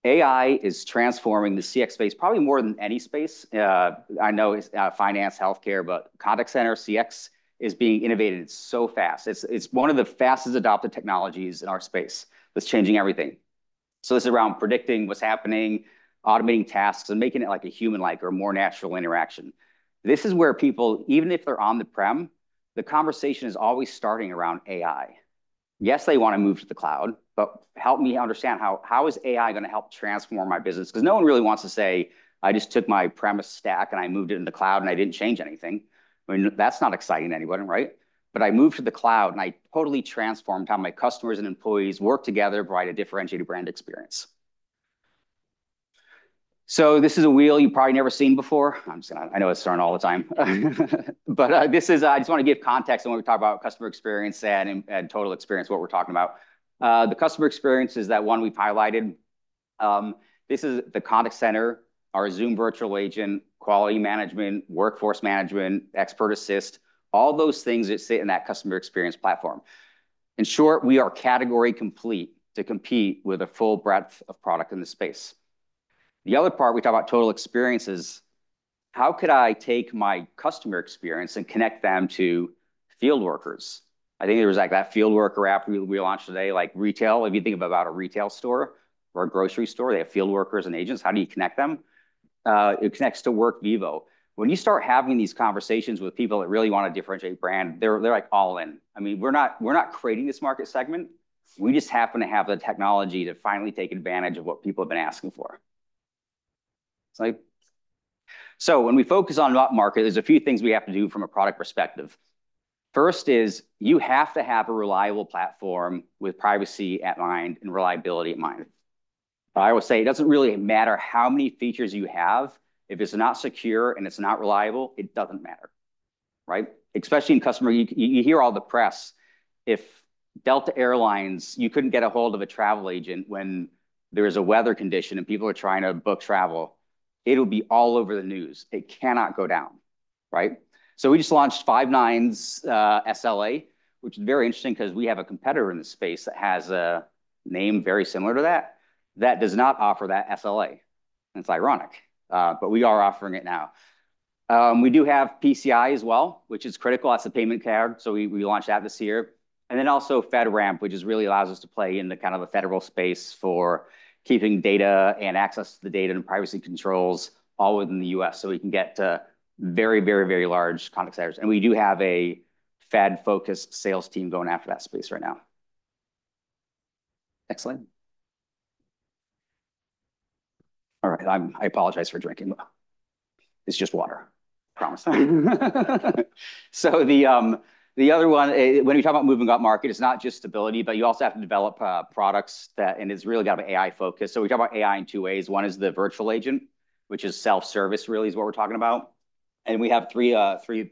AI is transforming the CX space, probably more than any space. I know finance, healthcare, but Contact Center, CX is being innovated so fast. It's one of the fastest adopted technologies in our space. It's changing everything, so this is around predicting what's happening, automating tasks, and making it like a human-like or more natural interaction. This is where people, even if they're on-prem, the conversation is always starting around AI. Yes, they want to move to the cloud, but help me understand how is AI going to help transform my business? Because no one really wants to say, "I just took my premises stack and I moved it in the cloud and I didn't change anything," but I moved to the cloud and I totally transformed how my customers and employees work together to provide a differentiated brand experience, so this is a wheel you've probably never seen before. I know it's turned all the time. But I just want to give context when we talk about customer experience and total experience, what we're talking about. The customer experience is that one we've highlighted. This is the Contact Center, our Zoom Virtual Agent, quality management, workforce management, Expert Assist, all those things that sit in that customer experience platform. In short, we are category complete to compete with a full breadth of product in the space. The other part we talk about total experience is how could I take my customer experience and connect them to field workers? I think there was that field worker app we launched today, like retail. If you think about a retail store or a grocery store, they have field workers and agents. How do you connect them? It connects to Workvivo. When you start having these conversations with people that really want to differentiate brand, they're like all in. I mean, we're not creating this market segment. We just happen to have the technology to finally take advantage of what people have been asking for. So when we focus on upmarket, there's a few things we have to do from a product perspective. First is you have to have a reliable platform with privacy at mind and reliability at mind. I always say it doesn't really matter how many features you have. If it's not secure and it's not reliable, it doesn't matter, right? Especially in customer, you hear all the press. If Delta Airlines, you couldn't get a hold of a travel agent when there is a weather condition and people are trying to book travel, it'll be all over the news. It cannot go down, right? So we just launched five nines SLA, which is very interesting because we have a competitor in the space that has a name very similar to that that does not offer that SLA. And it's ironic, but we are offering it now. We do have PCI as well, which is critical. That's a payment card. So we launched that this year. And then also FedRAMP, which really allows us to play in the kind of a federal space for keeping data and access to the data and privacy controls all within the U.S. So we can get to very, very, very large Contact Centers. And we do have a Fed-focused sales team going after that space right now. Excellent. All right. I apologize for drinking. It's just water. Promise. So the other one, when we talk about moving up market, it's not just stability, but you also have to develop products that, and it's really got an AI focus. So we talk about AI in two ways. One is the virtual agent, which is self-service, really, is what we're talking about. And we have three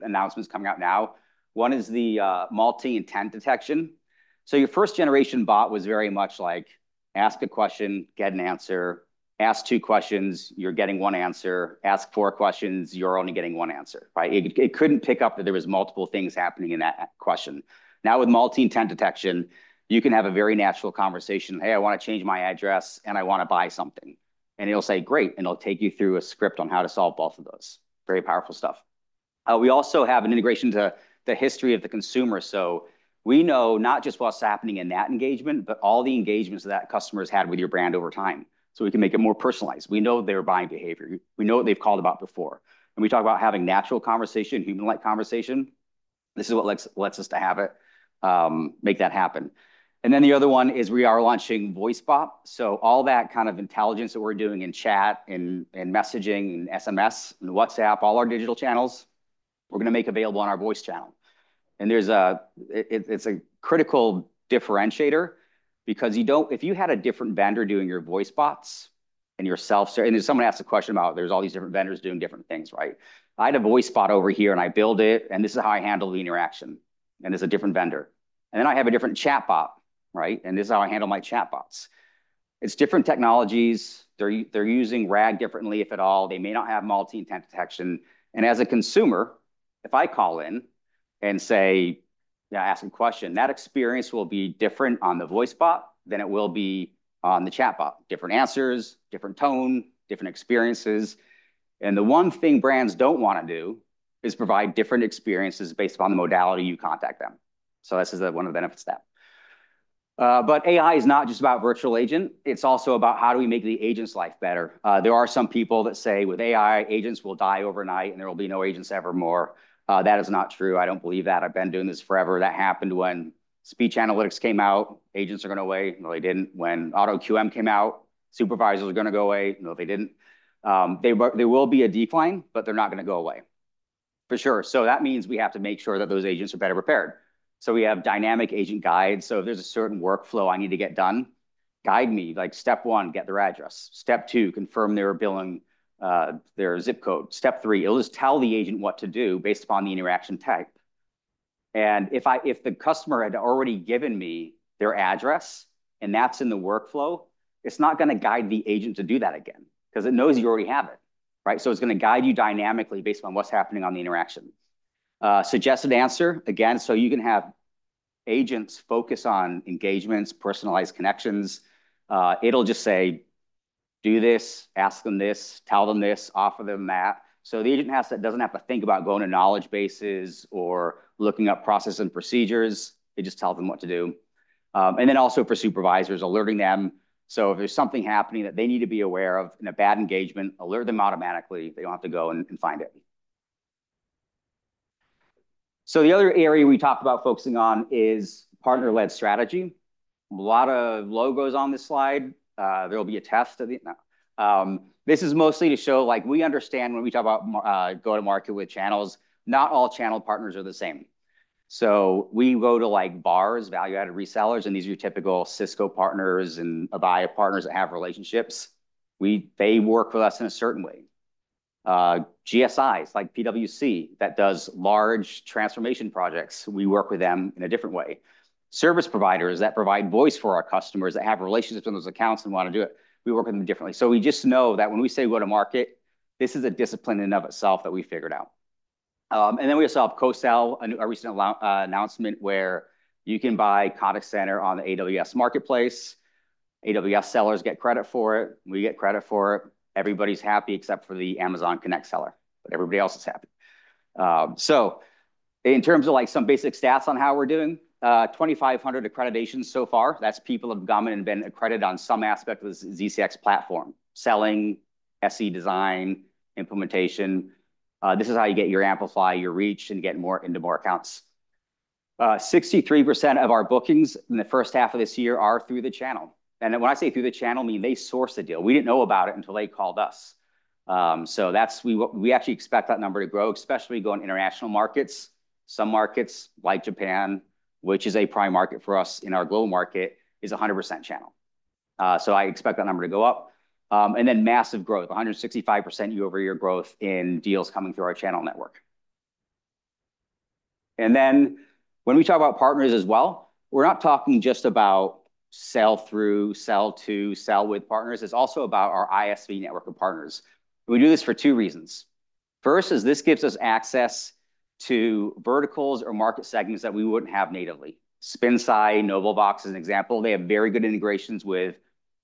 announcements coming out now. One is the multi-intent detection. So your first-generation bot was very much like, ask a question, get an answer. Ask two questions, you're getting one answer. Ask four questions, you're only getting one answer, right? It couldn't pick up that there were multiple things happening in that question. Now with multi-intent detection, you can have a very natural conversation. Hey, I want to change my address and I want to buy something. And it'll say, "Great." And it'll take you through a script on how to solve both of those. Very powerful stuff. We also have an integration to the history of the consumer. So we know not just what's happening in that engagement, but all the engagements that customers had with your brand over time. So we can make it more personalized. We know their buying behavior. We know what they've called about before. And we talk about having natural conversation, human-like conversation. This is what lets us to have it, make that happen. And then the other one is we are launching voicebot. So all that kind of intelligence that we're doing in chat and messaging and SMS and WhatsApp, all our digital channels, we're going to make available on our voice channel. And it's a critical differentiator because if you had a different vendor doing your voicebots and yourself, and someone asked a question about there's all these different vendors doing different things, right? I had a voicebot over here and I built it, and this is how I handle the interaction. And it's a different vendor. And then I have a different chatbot, right? And this is how I handle my chatbots. It's different technologies. They're using RAG differently, if at all. They may not have multi-intent detection. And as a consumer, if I call in and say, ask a question, that experience will be different on the voicebot than it will be on the chatbot. Different answers, different tone, different experiences. And the one thing brands don't want to do is provide different experiences based upon the modality you contact them. So this is one of the benefits of that. But AI is not just about virtual agent. It's also about how do we make the agent's life better. There are some people that say with AI, agents will die overnight and there will be no agents evermore. That is not true. I don't believe that. I've been doing this forever. That happened when speech analytics came out, agents are going away. No, they didn't. When auto QM came out, supervisors are going to go away. No, they didn't. There will be a decline, but they're not going to go away for sure. So that means we have to make sure that those agents are better prepared. So we have dynamic agent guides. So if there's a certain workflow I need to get done, guide me. Like step one, get their address. Step two, confirm their billing, their ZIP code. Step three, it'll just tell the agent what to do based upon the interaction type. And if the customer had already given me their address and that's in the workflow, it's not going to guide the agent to do that again because it knows you already have it, right? So it's going to guide you dynamically based on what's happening on the interaction. Suggested answer, again, so you can have agents focus on engagements, personalized connections. It'll just say, "Do this, ask them this, tell them this, offer them that." So the agent doesn't have to think about going to knowledge bases or looking up processes and procedures. It just tells them what to do. And then also for supervisors, alerting them. So if there's something happening that they need to be aware of in a bad engagement, alert them automatically. They don't have to go and find it. So the other area we talk about focusing on is partner-led strategy. A lot of logos on this slide. There will be a test. This is mostly to show, like we understand when we talk about going to market with channels, not all channel partners are the same. So we go to like VARs, value-added resellers, and these are your typical Cisco partners and Avaya partners that have relationships. They work with us in a certain way. GSIs, like PwC, that does large transformation projects, we work with them in a different way. Service providers that provide voice for our customers that have relationships with those accounts and want to do it, we work with them differently. So we just know that when we say go to market, this is a discipline in and of itself that we figured out, and then we also have co-sell, a recent announcement where you can buy Contact Center on the AWS Marketplace. AWS sellers get credit for it. We get credit for it. Everybody's happy except for the Amazon Connect seller, but everybody else is happy. So in terms of like some basic stats on how we're doing, 2,500 accreditations so far. That's people have gone and been accredited on some aspect of the ZCX platform, selling, SE design, implementation. This is how you get your amplify, your reach, and get more into more accounts. 63% of our bookings in the first half of this year are through the channel. And when I say through the channel, I mean they source a deal. We didn't know about it until they called us. So we actually expect that number to grow, especially going to international markets. Some markets like Japan, which is a prime market for us in our global market, is 100% channel. So I expect that number to go up. Massive growth, 165%YoY growth in deals coming through our channel network. When we talk about partners as well, we're not talking just about sell-through, sell-to, sell-with partners. It's also about our ISV network of partners. We do this for two reasons. First is this gives us access to verticals or market segments that we wouldn't have natively. SpinSci, NovelVox is an example. They have very good integrations with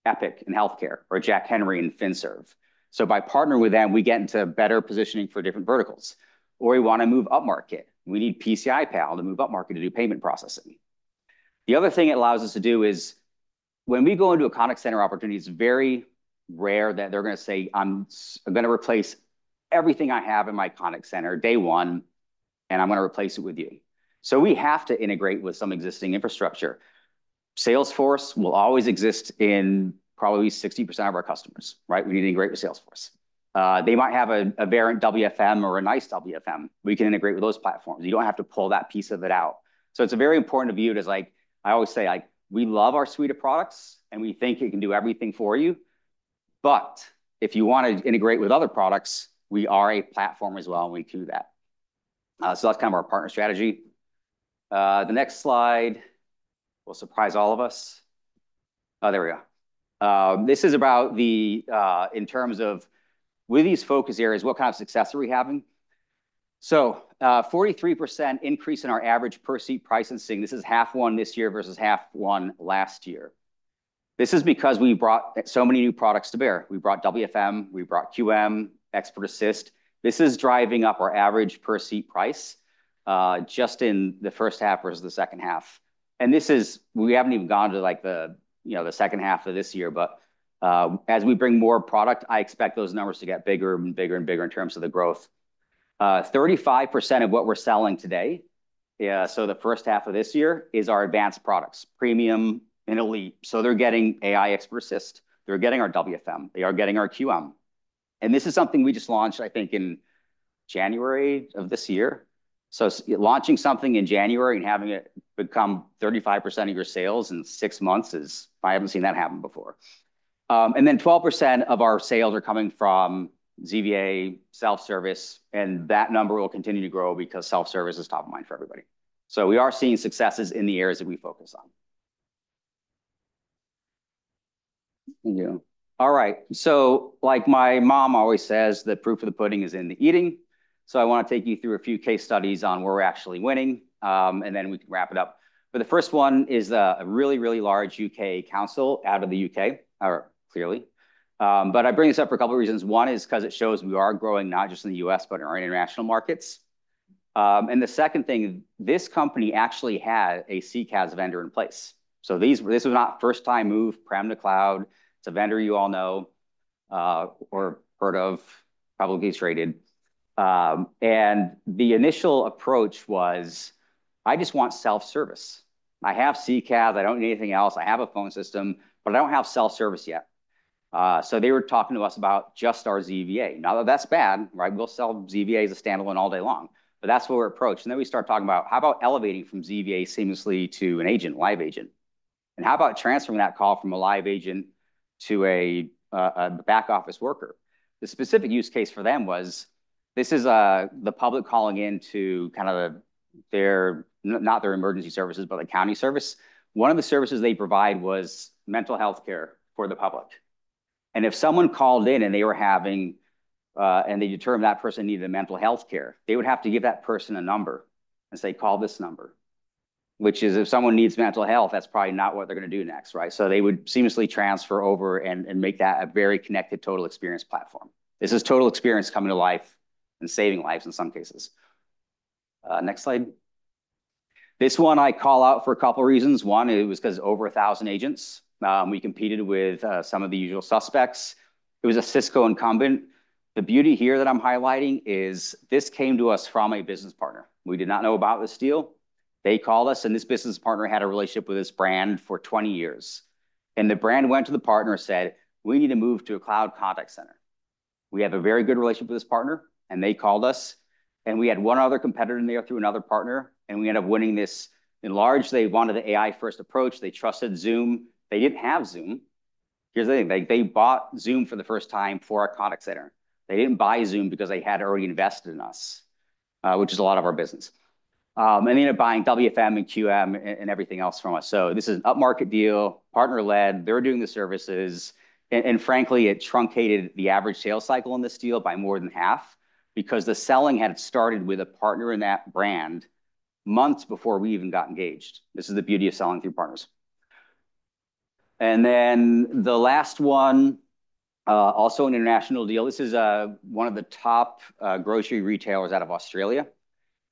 Epic and healthcare or Jack Henry and FinServ. So by partnering with them, we get into better positioning for different verticals. Or we want to move up market. We need PCI Pal to move up market to do payment processing. The other thing it allows us to do is when we go into a Contact Center opportunity, it's very rare that they're going to say, "I'm going to replace everything I have in my Contact Center day one, and I'm going to replace it with you." So we have to integrate with some existing infrastructure. Salesforce will always exist in probably 60% of our customers, right? We need to integrate with Salesforce. They might have a Verint WFM or a NICE WFM. We can integrate with those platforms. You don't have to pull that piece of it out. So it's very important to view it as like, I always say, we love our suite of products and we think it can do everything for you. But if you want to integrate with other products, we are a platform as well and we can do that. So that's kind of our partner strategy. The next slide will surprise all of us. There we go. This is about the, in terms of with these focus areas, what kind of success are we having? So 43% increase in our average per seat pricing. This is half one this year versus half one last year. This is because we brought so many new products to bear. We brought WFM, we brought QM, Expert Assist. This is driving up our average per seat price just in the first half versus the second half. And this is, we haven't even gone to like the second half of this year, but as we bring more product, I expect those numbers to get bigger and bigger and bigger in terms of the growth. 35% of what we're selling today, so the first half of this year is our advanced products, Premium and Elite. So they're getting AI Expert Assist. They're getting our WFM. They are getting our QM. And this is something we just launched, I think, in January of this year. So launching something in January and having it become 35% of your sales in six months is, I haven't seen that happen before. And then 12% of our sales are coming from ZVA, self-service, and that number will continue to grow because self-service is top of mind for everybody. So we are seeing successes in the areas that we focus on. Thank you. All right. So like my mom always says, the proof of the pudding is in the eating. So I want to take you through a few case studies on where we're actually winning, and then we can wrap it up. But the first one is a really, really large U.K. council out of the U.K., or clearly. But I bring this up for a couple of reasons. One is because it shows we are growing not just in the U.S., but in our international markets. And the second thing, this company actually had a CCaaS vendor in place. So this was not first-time move, premise to cloud. It's a vendor you all know or heard of, probably Genesys. And the initial approach was, "I just want self-service. I have CCaaS. I don't need anything else. I have a phone system, but I don't have self-service yet." So they were talking to us about just our ZVA. Now that that's bad, right? We'll sell ZVA as a standalone all day long, but that's what we're approached. And then we start talking about, "How about elevating from ZVA seamlessly to an agent, live agent? And how about transferring that call from a live agent to a back office worker?" The specific use case for them was, this is the public calling in to kind of their, not their emergency services, but the county service. One of the services they provide was mental healthcare for the public. And if someone called in and they were having, and they determined that person needed mental healthcare, they would have to give that person a number and say, "Call this number," which is if someone needs mental health, that's probably not what they're going to do next, right? So they would seamlessly transfer over and make that a very connected total experience platform. This is total experience coming to life and saving lives in some cases. Next slide. This one I call out for a couple of reasons. One, it was because over 1,000 agents. We competed with some of the usual suspects. It was a Cisco incumbent. The beauty here that I'm highlighting is this came to us from a business partner. We did not know about this deal. They called us and this business partner had a relationship with this brand for 20 years, and the brand went to the partner and said, "We need to move to a cloud Contact Center. We have a very good relationship with this partner," and they called us and we had one other competitor in there through another partner and we ended up winning this in large. They wanted the AI-first approach. They trusted Zoom. They didn't have Zoom. Here's the thing. They bought Zoom for the first time for our Contact Center. They didn't buy Zoom because they had already invested in us, which is a lot of our business. And they ended up buying WFM and QM and everything else from us. So this is an up-market deal, partner-led. They're doing the services. And frankly, it truncated the average sales cycle in this deal by more than half because the selling had started with a partner in that brand months before we even got engaged. This is the beauty of selling through partners. And then the last one, also an international deal. This is one of the top grocery retailers out of Australia.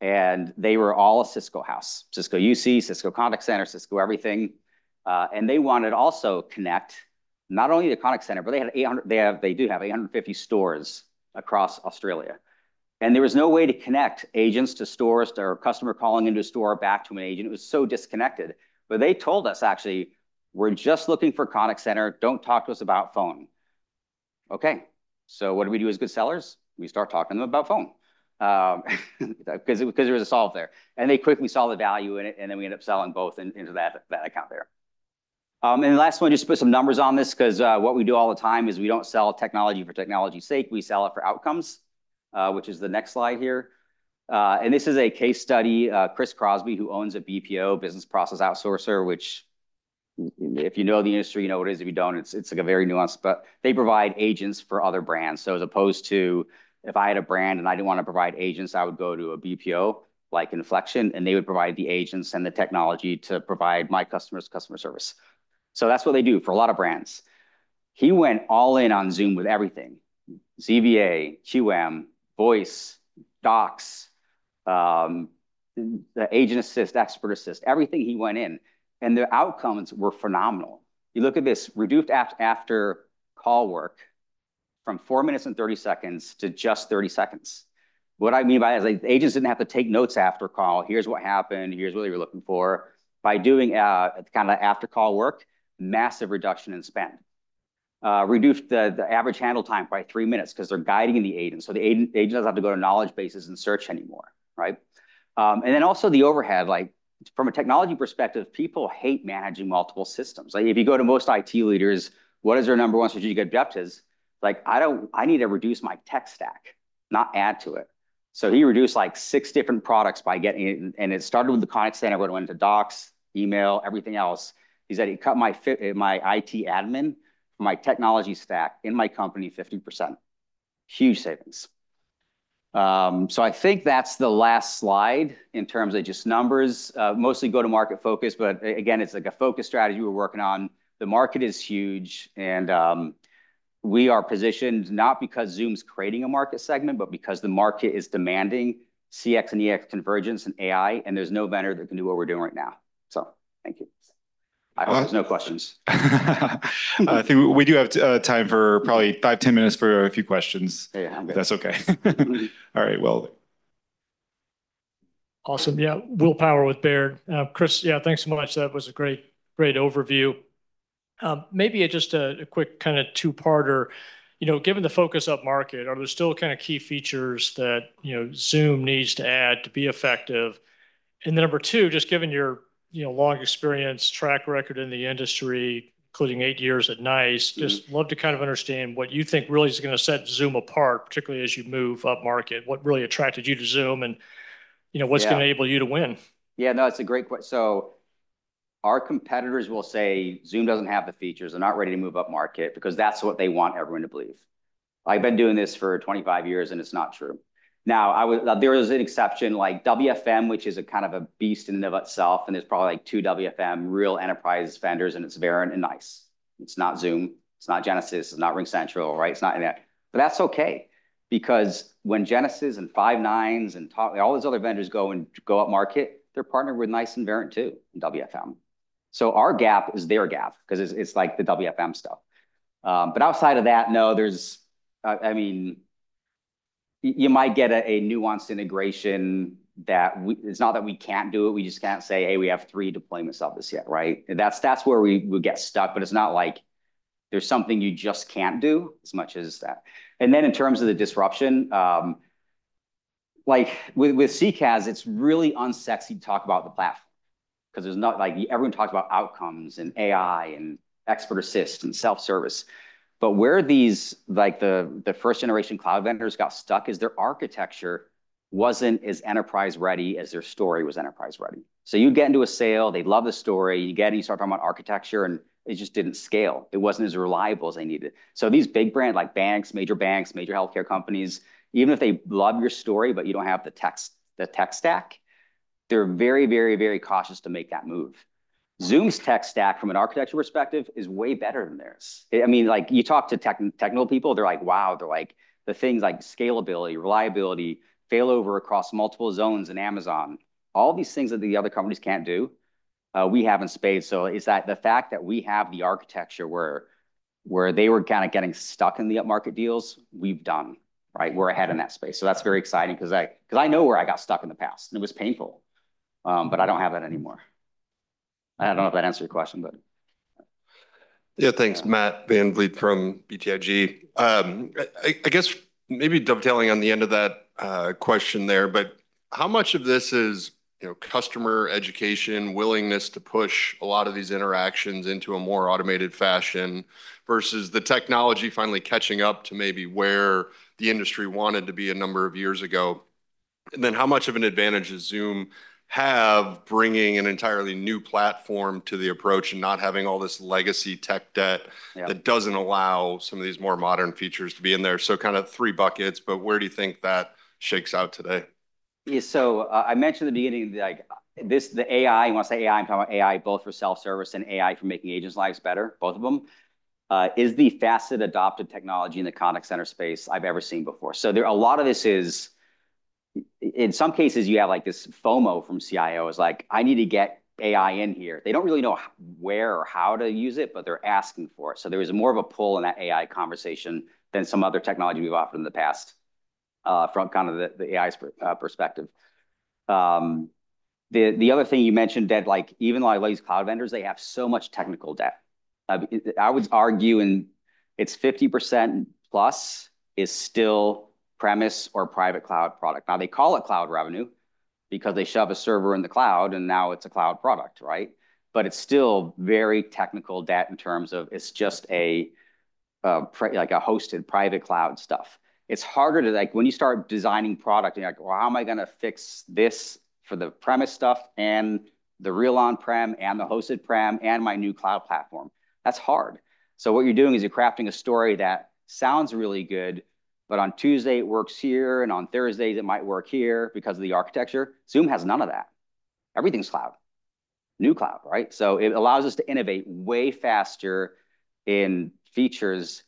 And they were all a Cisco house, Cisco UC, Cisco Contact Center, Cisco everything. And they wanted also to connect not only the Contact Center, but they had 800, they do have 850 stores across Australia. And there was no way to connect agents to stores, to our customer calling into a store back to an agent. It was so disconnected. But they told us, actually, "We're just looking for Contact Center. Don't talk to us about Phone." Okay, so what do we do as good sellers? We start talking to them about Phone because there was a solve there, and they quickly saw the value in it, and then we ended up selling both into that account there. For the last one, just put some numbers on this because what we do all the time is we don't sell technology for technology's sake. We sell it for outcomes, which is the next slide here. This is a case study, Chris Crosby, who owns a BPO, business process outsourcer, which if you know the industry, you know what it is. If you don't, it's like a very nuanced, but they provide agents for other brands. As opposed to if I had a brand and I didn't want to provide agents, I would go to a BPO like Influx, and they would provide the agents and the technology to provide my customers' customer service. That's what they do for a lot of brands. He went all in on Zoom with everything, ZVA, QM, voice, Docs, the agent assist, Expert Assist, everything he went in. The outcomes were phenomenal. You look at this reduced after-call work from four minutes and 30 seconds to just 30 seconds. What I mean by that is agents didn't have to take notes after call. Here's what happened. Here's what they were looking for. By doing kind of after-call work, massive reduction in spend. Reduced the average handle time by three minutes because they're guiding the agent. So the agent doesn't have to go to knowledge bases and search anymore, right? And then also the overhead, like from a technology perspective, people hate managing multiple systems. Like if you go to most IT leaders, what is their number one strategic objectives? Like I need to reduce my tech stack, not add to it. So he reduced like six different products by getting, and it started with the Contact Center, but it went into docs, email, everything else. He said he cut my IT admin for my technology stack in my company 50%. Huge savings. So I think that's the last slide in terms of just numbers, mostly go-to-market focus, but again, it's like a focus strategy we're working on. The market is huge, and we are positioned not because Zoom's creating a market segment, but because the market is demanding CX and EX convergence and AI, and there's no vendor that can do what we're doing right now. So thank you. I hope there's no questions. I think we do have time for probably five, 10 minutes for a few questions. That's okay. All right. Well. Awesome. Yeah. Will Power with Baird. Chris, yeah, thanks so much. That was a great, great overview. Maybe just a quick kind of two-parter. You know, given the focus of market, are there still kind of key features that Zoom needs to add to be effective? And then number two, just given your long experience, track record in the industry, including eight years at NICE, just love to kind of understand what you think really is going to set Zoom apart, particularly as you move up market, what really attracted you to Zoom and what's going to enable you to win. Yeah, no, that's a great question. So our competitors will say Zoom doesn't have the features and aren't ready to move up market because that's what they want everyone to believe. I've been doing this for 25 years, and it's not true. Now, there is an exception like WFM, which is a kind of a beast in and of itself, and there's probably like two WFM real enterprise vendors, and it's Verint and NICE. It's not Zoom. It's not Genesys. It's not RingCentral, right? It's not in there. But that's okay because when Genesys and Five9 and all these other vendors go and go up market, they're partnered with NICE and Verint too in WFM. So our gap is their gap because it's like the WFM stuff. But outside of that, no, there's, I mean, you might get a nuanced integration that it's not that we can't do it. We just can't say, "Hey, we have three deployments of this yet," right? That's where we get stuck, but it's not like there's something you just can't do as much as that. And then in terms of the disruption, like with CCaaS, it's really unsexy to talk about the platform because there's not like everyone talks about outcomes and AI and Expert Assist and self-service. But where these, like the first-generation cloud vendors got stuck is their architecture wasn't as enterprise-ready as their story was enterprise-ready. You get into a sale, they love the story, you get it, you start talking about architecture, and it just didn't scale. It wasn't as reliable as they needed. These big brands like banks, major banks, major healthcare companies, even if they love your story, but you don't have the tech stack, they're very, very, very cautious to make that move. Zoom's tech stack from an architecture perspective is way better than theirs. I mean, like you talk to technical people, they're like, "Wow." They're like the things like scalability, reliability, failover across multiple zones in Amazon, all these things that the other companies can't do, we have in spades. It's that the fact that we have the architecture where they were kind of getting stuck in the up-market deals, we've done, right? We're ahead in that space. So that's very exciting because I know where I got stuck in the past, and it was painful, but I don't have that anymore. I don't know if that answered your question, but. Yeah, thanks, Matt VanVliet from BTIG. I guess maybe dovetailing on the end of that question there, but how much of this is customer education, willingness to push a lot of these interactions into a more automated fashion versus the technology finally catching up to maybe where the industry wanted to be a number of years ago? And then how much of an advantage does Zoom have bringing an entirely new platform to the approach and not having all this legacy tech debt that doesn't allow some of these more modern features to be in there? So kind of three buckets, but where do you think that shakes out today? Yeah, so I mentioned at the beginning that the AI, when I say AI, I'm talking about AI both for self-service and AI for making agents' lives better, both of them, is the fastest adopted technology in the Contact Center space I've ever seen before. So a lot of this is, in some cases, you have like this FOMO from CIOs like, "I need to get AI in here." They don't really know where or how to use it, but they're asking for it. So there was more of a pull in that AI conversation than some other technology we've offered in the past from kind of the AI perspective. The other thing you mentioned that even these cloud vendors, they have so much technical debt. I would argue that it's 50%+ still on-premise or private cloud product. Now they call it cloud revenue because they shove a server in the cloud and now it's a cloud product, right? But it's still very technical debt in terms of it's just like a hosted private cloud stuff. It's harder to like when you start designing product and you're like, "Well, how am I going to fix this for the premise stuff and the real on-prem and the hosted prem and my new cloud platform?" That's hard. So what you're doing is you're crafting a story that sounds really good, but on Tuesday it works here and on Thursdays it might work here because of the architecture. Zoom has none of that. Everything's cloud, new cloud, right? So it allows us to innovate way faster in features.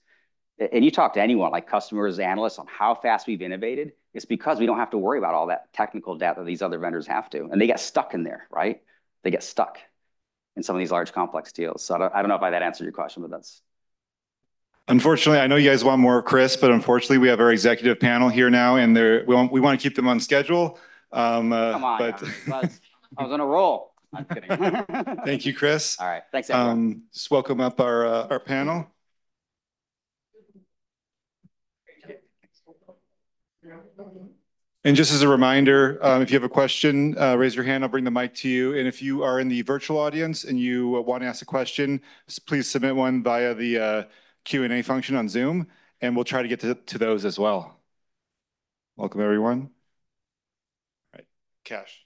And you talk to anyone like customers, analysts on how fast we've innovated, it's because we don't have to worry about all that technical debt that these other vendors have to. And they get stuck in there, right? They get stuck in some of these large complex deals. So I don't know if that answered your question, but that's. Unfortunately, I know you guys want more, Chris, but unfortunately, we have our executive panel here now and we want to keep them on schedule. Come on. I was on a roll. I'm kidding. Thank you, Chris. All right. Thanks, everyone. Just welcome up our panel. And just as a reminder, if you have a question, raise your hand, I'll bring the mic to you. And if you are in the virtual audience and you want to ask a question, please submit one via the Q&A function on Zoom and we'll try to get to those as well. Welcome, everyone. All right, Kash.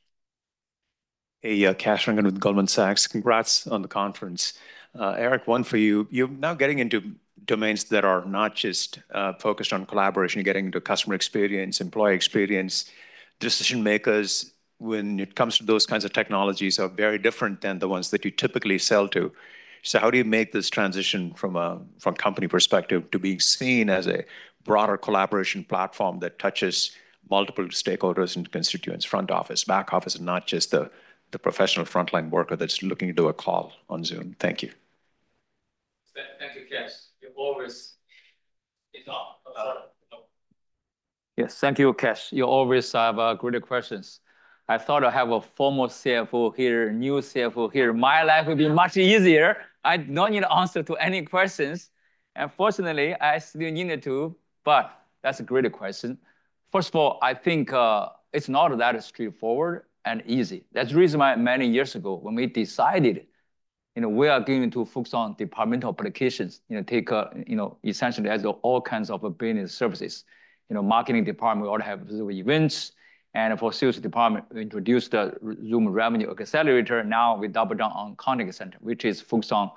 Hey, I'm Kash Rangan, Goldman Sachs. Congrats on the conference. Eric, one for you. You're now getting into domains that are not just focused on collaboration. You're getting into customer experience, employee experience. Decision makers, when it comes to those kinds of technologies, are very different than the ones that you typically sell to. So how do you make this transition from a company perspective to being seen as a broader collaboration platform that touches multiple stakeholders and constituents, front office, back office, and not just the professional frontline worker that's looking to do a call on Zoom? Thank you. Thank you, Kash. You always. Yes, thank you, Kash. You always have great questions. I thought I have a former CFO here, new CFO here. My life would be much easier. I don't need to answer to any questions. And fortunately, I still needed to, but that's a great question. First of all, I think it's not that straightforward and easy. That's the reason why many years ago when we decided we are going to focus on departmental applications, take essentially all kinds of business services, marketing department, we already have physical events. And for sales department, we introduced the Zoom Revenue Accelerator. Now we double down on Contact Center, which is focused on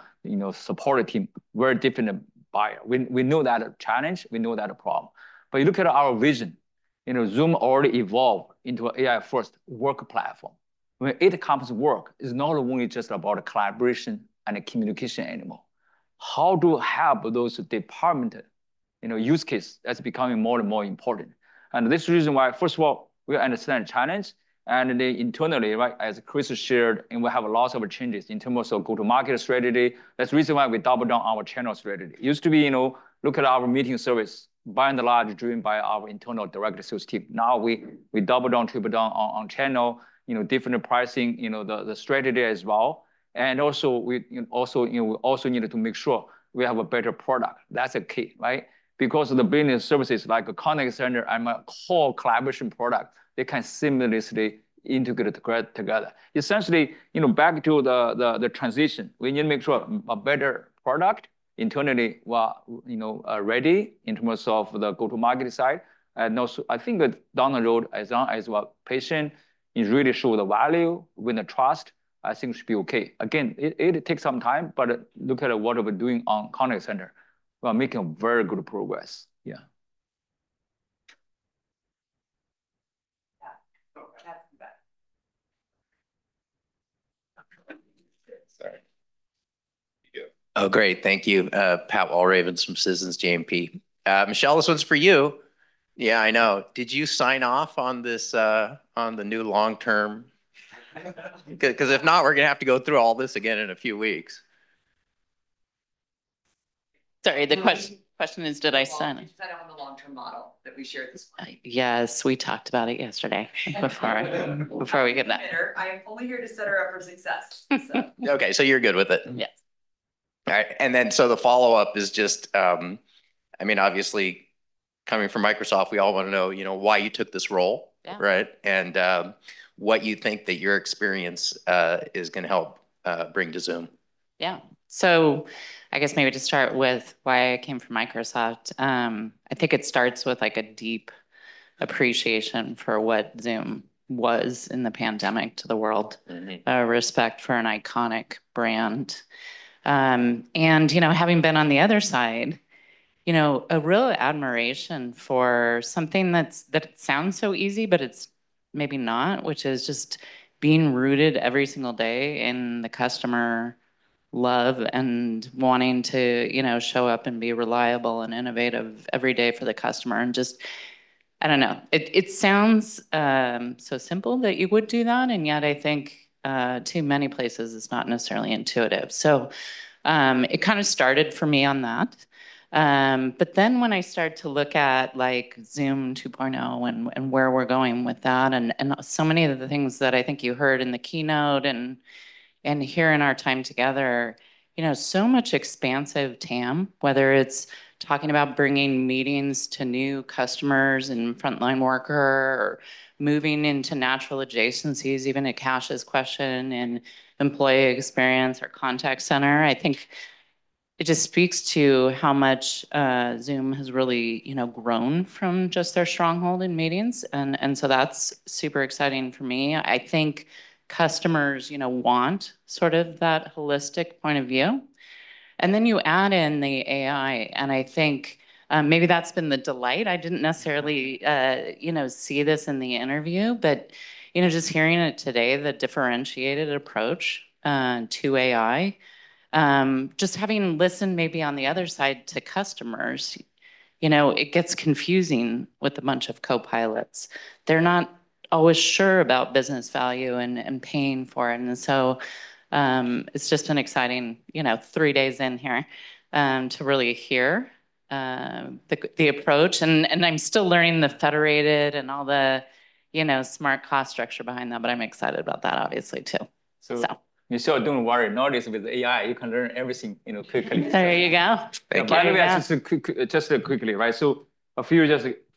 supporting teams, very different buyers. We know that challenge. We know that problem. But you look at our vision, Zoom already evolved into an AI-first work platform. When it comes to work, it's not only just about collaboration and communication anymore. How do we help those department use cases? That's becoming more and more important, and this is the reason why, first of all, we understand the challenge. And then internally, as Chris shared, and we have lots of changes in terms of go-to-market strategy. That's the reason why we double down on our channel strategy. It used to be look at our meeting service, by and large, driven by our internal direct sales team. Now we double down, triple down on channel, different pricing, the strategy as well. And also we also needed to make sure we have a better product. That's a key, right? Because the business services like a Contact Center and a core collaboration product, they can seamlessly integrate together. Essentially, back to the transition, we need to make sure a better product internally ready in terms of the go-to-market side. And I think that down the road, as long as our patient is really showing the value, win the trust, I think it should be okay. Again, it takes some time, but look at what we're doing on Contact Center. We're making very good progress. Yeah. Oh, great. Thank you, Pat Walravens from Citizens JMP. Michelle, this one's for you. Yeah, I know. Did you sign off on this on the new long-term? Because if not, we're going to have to go through all this again in a few weeks. Sorry, the question is, did I sign off? I didn't sign off on the long-term model that we shared this morning. Yes, we talked about it yesterday before we get that. I'm only here to set her up for success. Okay, so you're good with it? Yes. All right. And then the follow-up is just, I mean, obviously, coming from Microsoft, we all want to know why you took this role, right? And what you think that your experience is going to help bring to Zoom. Yeah. So I guess maybe to start with why I came from Microsoft, I think it starts with a deep appreciation for what Zoom was in the pandemic to the world, respect for an iconic brand. And having been on the other side, a real admiration for something that sounds so easy, but it's maybe not, which is just being rooted every single day in the customer love and wanting to show up and be reliable and innovative every day for the customer. And just, I don't know, it sounds so simple that you would do that. And yet, I think to many places, it's not necessarily intuitive. So it kind of started for me on that. But then when I started to look at Zoom 2.0 and where we're going with that and so many of the things that I think you heard in the keynote and here in our time together, so much expansive TAM, whether it's talking about bringing meetings to new customers and frontline worker or moving into natural adjacencies, even as Kash's question and employee experience or Contact Center, I think it just speaks to how much Zoom has really grown from just their stronghold in meetings. And so that's super exciting for me. I think customers want sort of that holistic point of view. And then you add in the AI, and I think maybe that's been the delight. I didn't necessarily see this in the interview, but just hearing it today, the differentiated approach to AI, just having listened maybe on the other side to customers, it gets confusing with a bunch of copilots. They're not always sure about business value and paying for it. And so it's just an exciting three days in here to really hear the approach. And I'm still learning the federated and all the smart cost structure behind that, but I'm excited about that, obviously, too. So you start doing what it notices with AI, you can learn everything quickly. There you go. Thank you. Finally, just quickly, right? So a few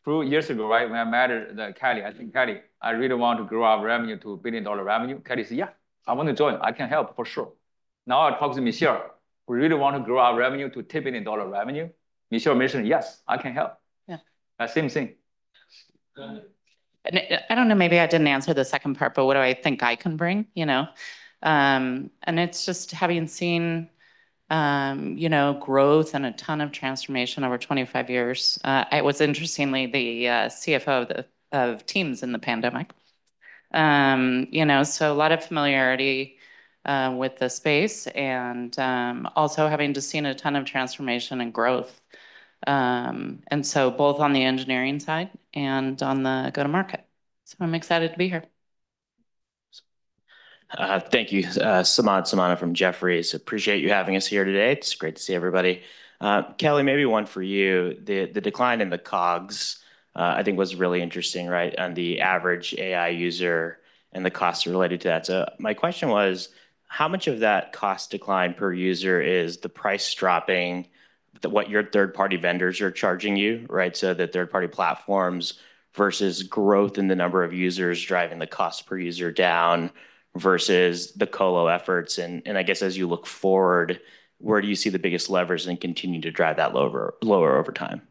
years ago, right, when I met Kelly, I think Kelly, I really want to grow our revenue to a billion-dollar revenue. Kelly said, "Yeah, I want to join. I can help for sure." Now I talked to Michelle. We really want to grow our revenue to a billion-dollar revenue. Michelle mentioned, "Yes, I can help." Yeah, same thing. I don't know, maybe I didn't answer the second part, but what do I think I can bring? And it's just having seen growth and a ton of transformation over 25 years. It was interestingly the CFO of Teams in the pandemic. So a lot of familiarity with the space and also having just seen a ton of transformation and growth. And so both on the engineering side and on the go-to-market. So I'm excited to be here. Thank you. Samad Samana from Jefferies. Appreciate you having us here today. It's great to see everybody. Kelly, maybe one for you. The decline in the COGS, I think, was really interesting, right? And the average AI user and the costs related to that. So my question was, how much of that cost decline per user is the price dropping that what your third-party vendors are charging you, right? So the third-party platforms versus growth in the number of users driving the cost per user down versus the colo efforts. And I guess as you look forward, where do you see the biggest levers and continue to drive that lower over time?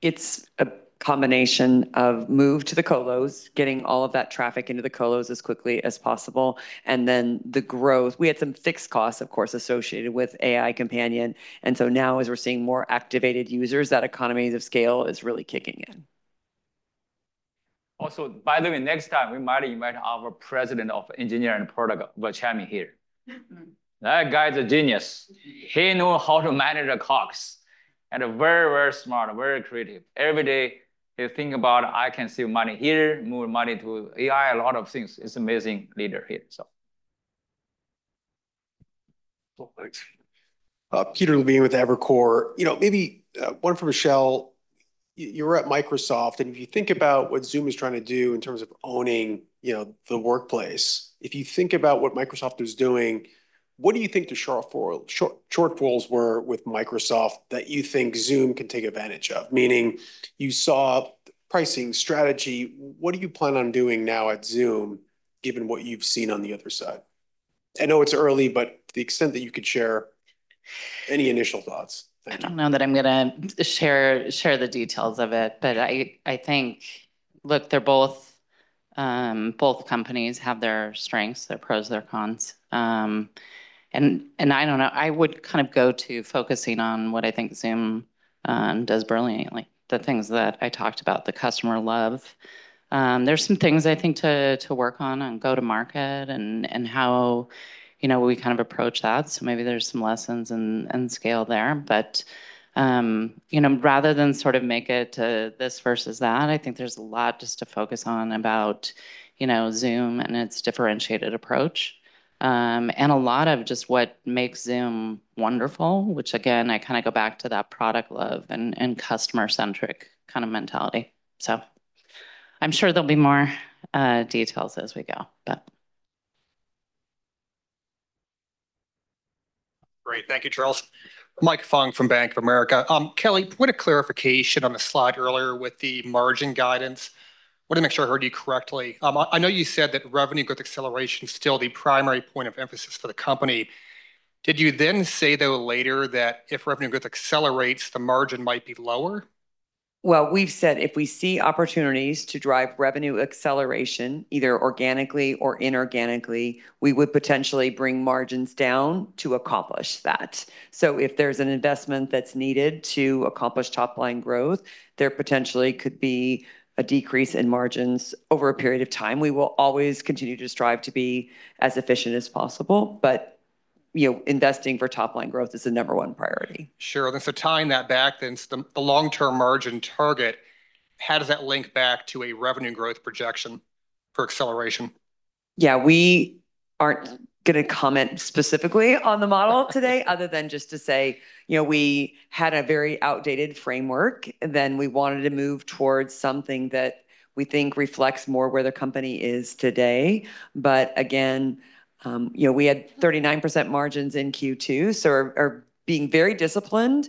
It's a combination of move to the colos, getting all of that traffic into the colos as quickly as possible. And then the growth, we had some fixed costs, of course, associated with AI Companion. And so now as we're seeing more activated users, that economy of scale is really kicking in. Also, by the way, next time we might invite our President of Engineering Product, Velchamy, here. That guy's a genius. He knew how to manage the COGS and very, very smart, very creative. Every day he thinks about, "I can save money here, move money to AI, a lot of things." It's an amazing leader here. Peter Levine with Evercore ISI. Maybe one for Michelle. You're at Microsoft. And if you think about what Zoom is trying to do in terms of owning the Workplace, if you think about what Microsoft is doing, what do you think the shortfalls were with Microsoft that you think Zoom can take advantage of? Meaning you saw pricing strategy. What do you plan on doing now at Zoom, given what you've seen on the other side? I know it's early, but to the extent that you could share any initial thoughts. I don't know that I'm going to share the details of it, but I think, look, both companies have their strengths, their pros, their cons. And I don't know, I would kind of go to focusing on what I think Zoom does brilliantly, the things that I talked about, the customer love. There's some things I think to work on and go-to-market and how we kind of approach that. So maybe there's some lessons and scale there. But rather than sort of make it this versus that, I think there's a lot just to focus on about Zoom and its differentiated approach. And a lot of just what makes Zoom wonderful, which again, I kind of go back to that product love and customer-centric kind of mentality. So I'm sure there'll be more details as we go, but. Great. Thank you, Charles. Michael Funk from Bank of America. Kelly, we had a clarification on the slide earlier with the margin guidance. I want to make sure I heard you correctly. I know you said that revenue growth acceleration is still the primary point of emphasis for the company. Did you then say, though, later that if revenue growth accelerates, the margin might be lower? Well, we've said if we see opportunities to drive revenue acceleration, either organically or inorganically, we would potentially bring margins down to accomplish that. So if there's an investment that's needed to accomplish top-line growth, there potentially could be a decrease in margins over a period of time. We will always continue to strive to be as efficient as possible. But investing for top-line growth is the number one priority. Sure. And so tying that back, then the long-term margin target, how does that link back to a revenue growth projection for acceleration? Yeah, we aren't going to comment specifically on the model today other than just to say we had a very outdated framework, then we wanted to move towards something that we think reflects more where the company is today. But again, we had 39% margins in Q2, so we're being very disciplined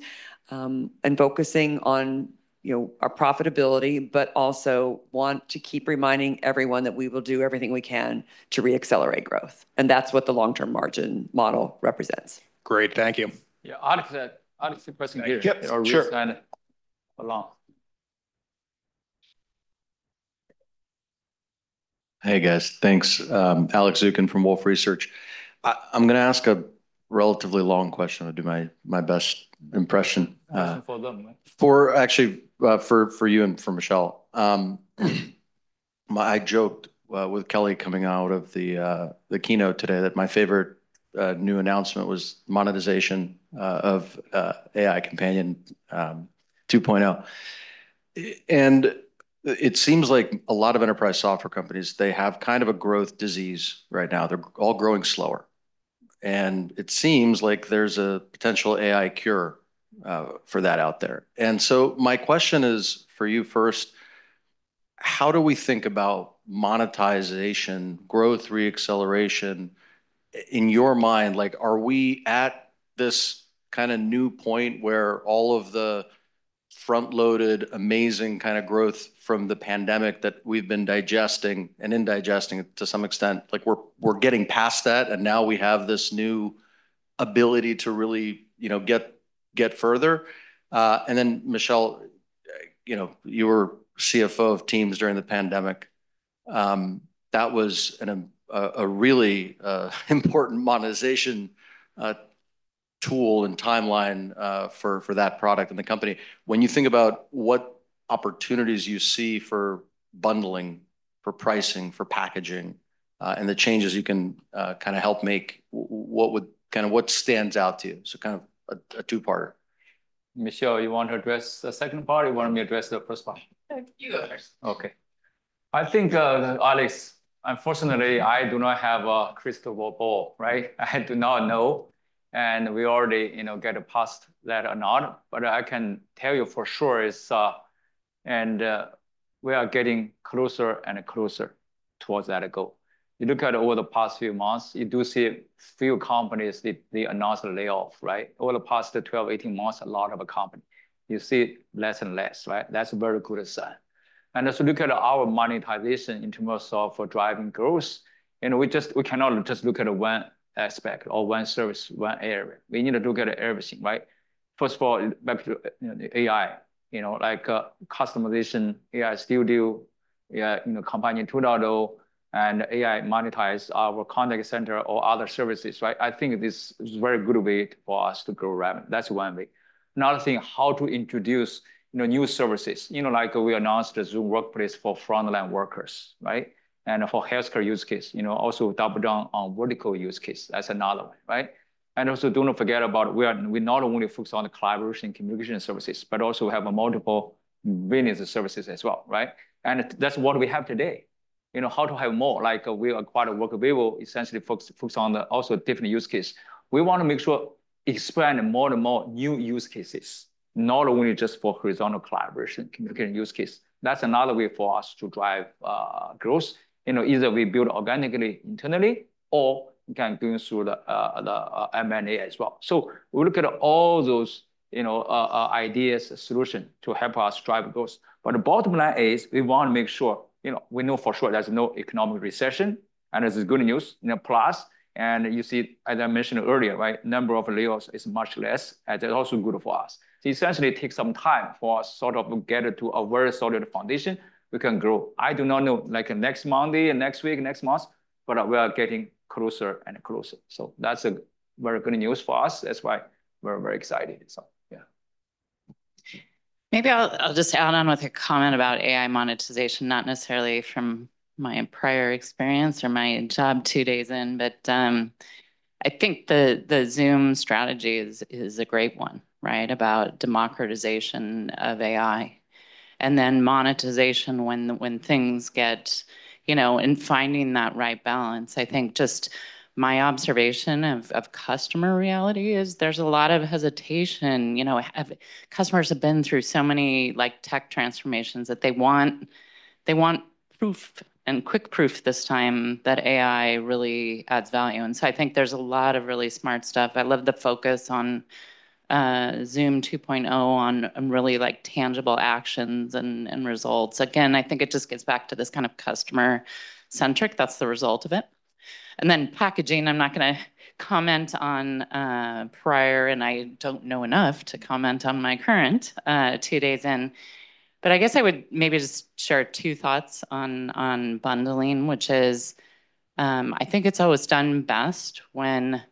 and focusing on our profitability, but also want to keep reminding everyone that we will do everything we can to re-accelerate growth. And that's what the long-term margin model represents. Great. Thank you. Yeah, honestly, honest impression here. Sure. Hey, guys. Thanks. Alex Zukin from Wolfe Research. I'm going to ask a relatively long question to do my best impression. For actually for you and for Michelle. I joked with Kelly coming out of the keynote today that my favorite new announcement was monetization of AI Companion 2.0. It seems like a lot of enterprise software companies, they have kind of a growth disease right now. They're all growing slower. It seems like there's a potential AI cure for that out there. So my question is for you first, how do we think about monetization, growth, re-acceleration in your mind? Are we at this kind of new point where all of the front-loaded, amazing kind of growth from the pandemic that we've been digesting and indigesting to some extent, we're getting past that, and now we have this new ability to really get further? Then, Michelle, you were CFO of Teams during the pandemic. That was a really important monetization tool and timeline for that product and the company. When you think about what opportunities you see for bundling, for pricing, for packaging, and the changes you can kind of help make, what stands out to you? So kind of a two-parter. Michelle, you want to address the second part? You want me to address the first part? You go first. Okay. I think, Alex, unfortunately, I do not have a crystal ball, right? I do not know. And we already got past that or not. But I can tell you for sure, and we are getting closer and closer towards that goal. You look at over the past few months, you do see a few companies, they announced a layoff, right? Over the past 12, 18 months, a lot of companies, you see less and less, right? That's a very good sign. As we look at our monetization in terms of driving growth, we cannot just look at one aspect or one service, one area. We need to look at everything, right? First of all, AI, like customization, AI Studio, Companion 2.0, and AI monetize our Contact Center or other services, right? I think this is a very good way for us to grow rapidly. That's one way. Another thing, how to introduce new services. We announced the Zoom Workplace for Frontline Workers, right? And for healthcare use case, also double down on vertical use case. That's another one, right? And also don't forget about we not only focus on the collaboration and communication services, but also we have multiple business services as well, right? And that's what we have today. How to have more? We acquired Workvivo, essentially focused on also different use cases. We want to make sure we expand more and more new use cases, not only just for horizontal collaboration, communication use case. That's another way for us to drive growth. Either we build organically internally or we can go through the M&A as well. So we look at all those ideas, solutions to help us drive growth. But the bottom line is we want to make sure we know for sure there's no economic recession. And this is good news. Plus, and you see, as I mentioned earlier, number of layoffs is much less, and that's also good for us. So essentially take some time for us sort of get to a very solid foundation, we can grow. I do not know next Monday, next week, next month, but we are getting closer and closer. So that's a very good news for us. That's why we're very excited. So yeah. Maybe I'll just add on with a comment about AI monetization, not necessarily from my prior experience or my job two days in, but I think the Zoom strategy is a great one, right, about democratization of AI. And then monetization when things get in finding that right balance. I think just my observation of customer reality is there's a lot of hesitation. Customers have been through so many tech transformations that they want proof and quick proof this time that AI really adds value. And so I think there's a lot of really smart stuff. I love the focus on Zoom 2.0 on really tangible actions and results. Again, I think it just gets back to this kind of customer-centric. That's the result of it. And then packaging, I'm not going to comment on prior, and I don't know enough to comment on my current two days in. But I guess I would maybe just share two thoughts on bundling, which is I think it's always done best when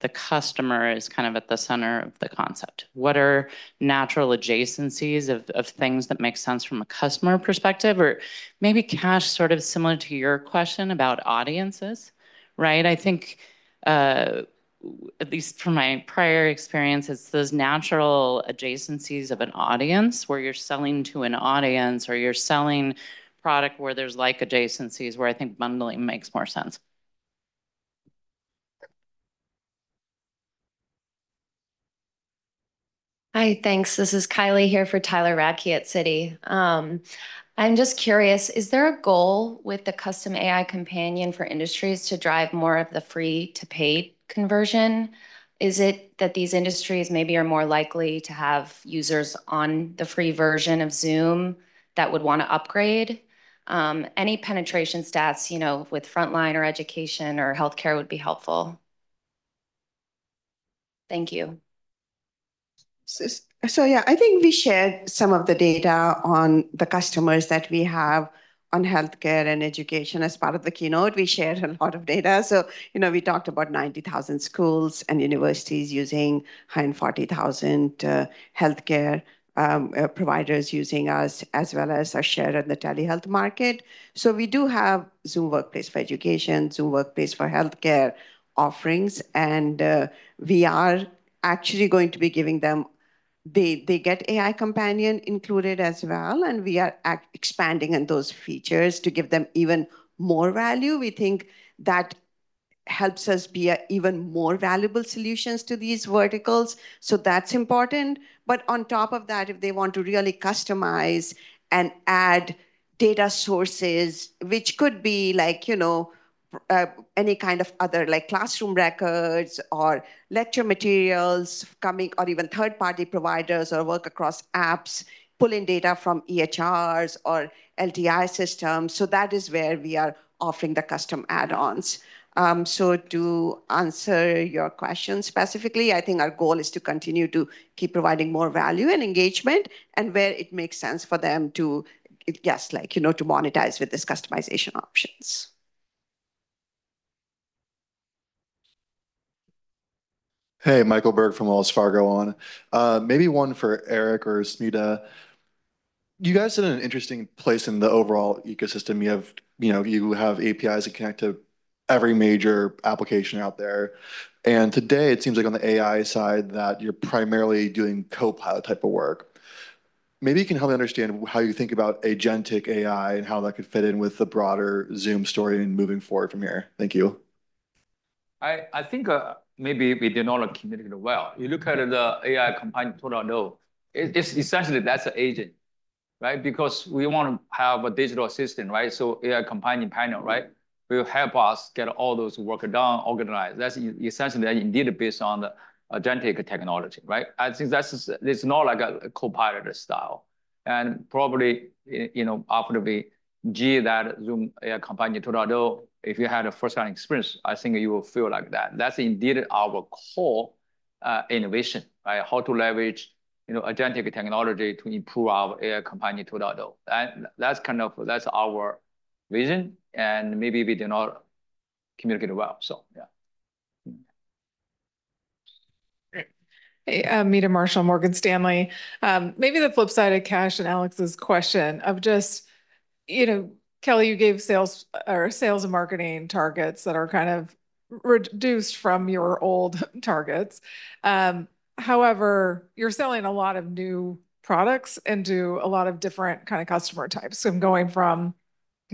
the customer is kind of at the center of the concept. What are natural adjacencies of things that make sense from a customer perspective? Or maybe Kash, sort of similar to your question about audiences, right? I think at least from my prior experience, it's those natural adjacencies of an audience where you're selling to an audience or you're selling product where there's adjacencies where I think bundling makes more sense. Hi, thanks. This is Kylie here for Tyler Radke at Citi. I'm just curious, is there a goal with the Custom AI companion for industries to drive more of the free-to-pay conversion? Is it that these industries maybe are more likely to have users on the free version of Zoom that would want to upgrade? Any penetration stats with frontline or education or healthcare would be helpful. Thank you. So yeah, I think we shared some of the data on the customers that we have on healthcare and education as part of the keynote. We shared a lot of data. So we talked about 90,000 schools and universities using 140,000 healthcare providers using us as well as our share in the telehealth market. So we do have Zoom Workplace for Education, Zoom Workplace for Healthcare offerings. And we are actually going to be giving them, they get AI Companion included as well. And we are expanding on those features to give them even more value. We think that helps us be even more valuable solutions to these verticals. So that's important. But on top of that, if they want to really customize and add data sources, which could be any kind of other classroom records or lecture materials coming or even third-party providers or work across apps, pulling data from EHRs or LTI systems. So that is where we are offering the custom add-ons. So to answer your question specifically, I think our goal is to continue to keep providing more value and engagement and where it makes sense for them to, yes, to monetize with these customization options. Hey, Michael Berg from Wells Fargo on. Maybe one for Eric or Smita. You guys are in an interesting place in the overall ecosystem. You have APIs that connect to every major application out there. And today, it seems like on the AI side that you are primarily doing Copilot type of work. Maybe you can help me understand how you think about agentic AI and how that could fit in with the broader Zoom story and moving forward from here. Thank you. I think maybe we did not communicate well. You look at the AI Companion, essentially that's an agent, right? Because we want to have a digital assistant, right? So AI Companion panel, right? Will help us get all those work done, organized. That's essentially indeed based on the agentic technology, right? I think that's, it's not like a Copilot style. And probably after you get that Zoom AI Companion, if you had a first-hand experience, I think you will feel like that. That's indeed our core innovation, right? How to leverage agentic technology to improve our AI Companion. That's kind of our vision. And maybe we did not communicate well. So yeah. Hey, Meta Marshall, Morgan Stanley. Maybe the flip side of Kash and Alex's question of just, Kelly, you gave sales or sales and marketing targets that are kind of reduced from your old targets. However, you're selling a lot of new products into a lot of different kind of customer types. So I'm going from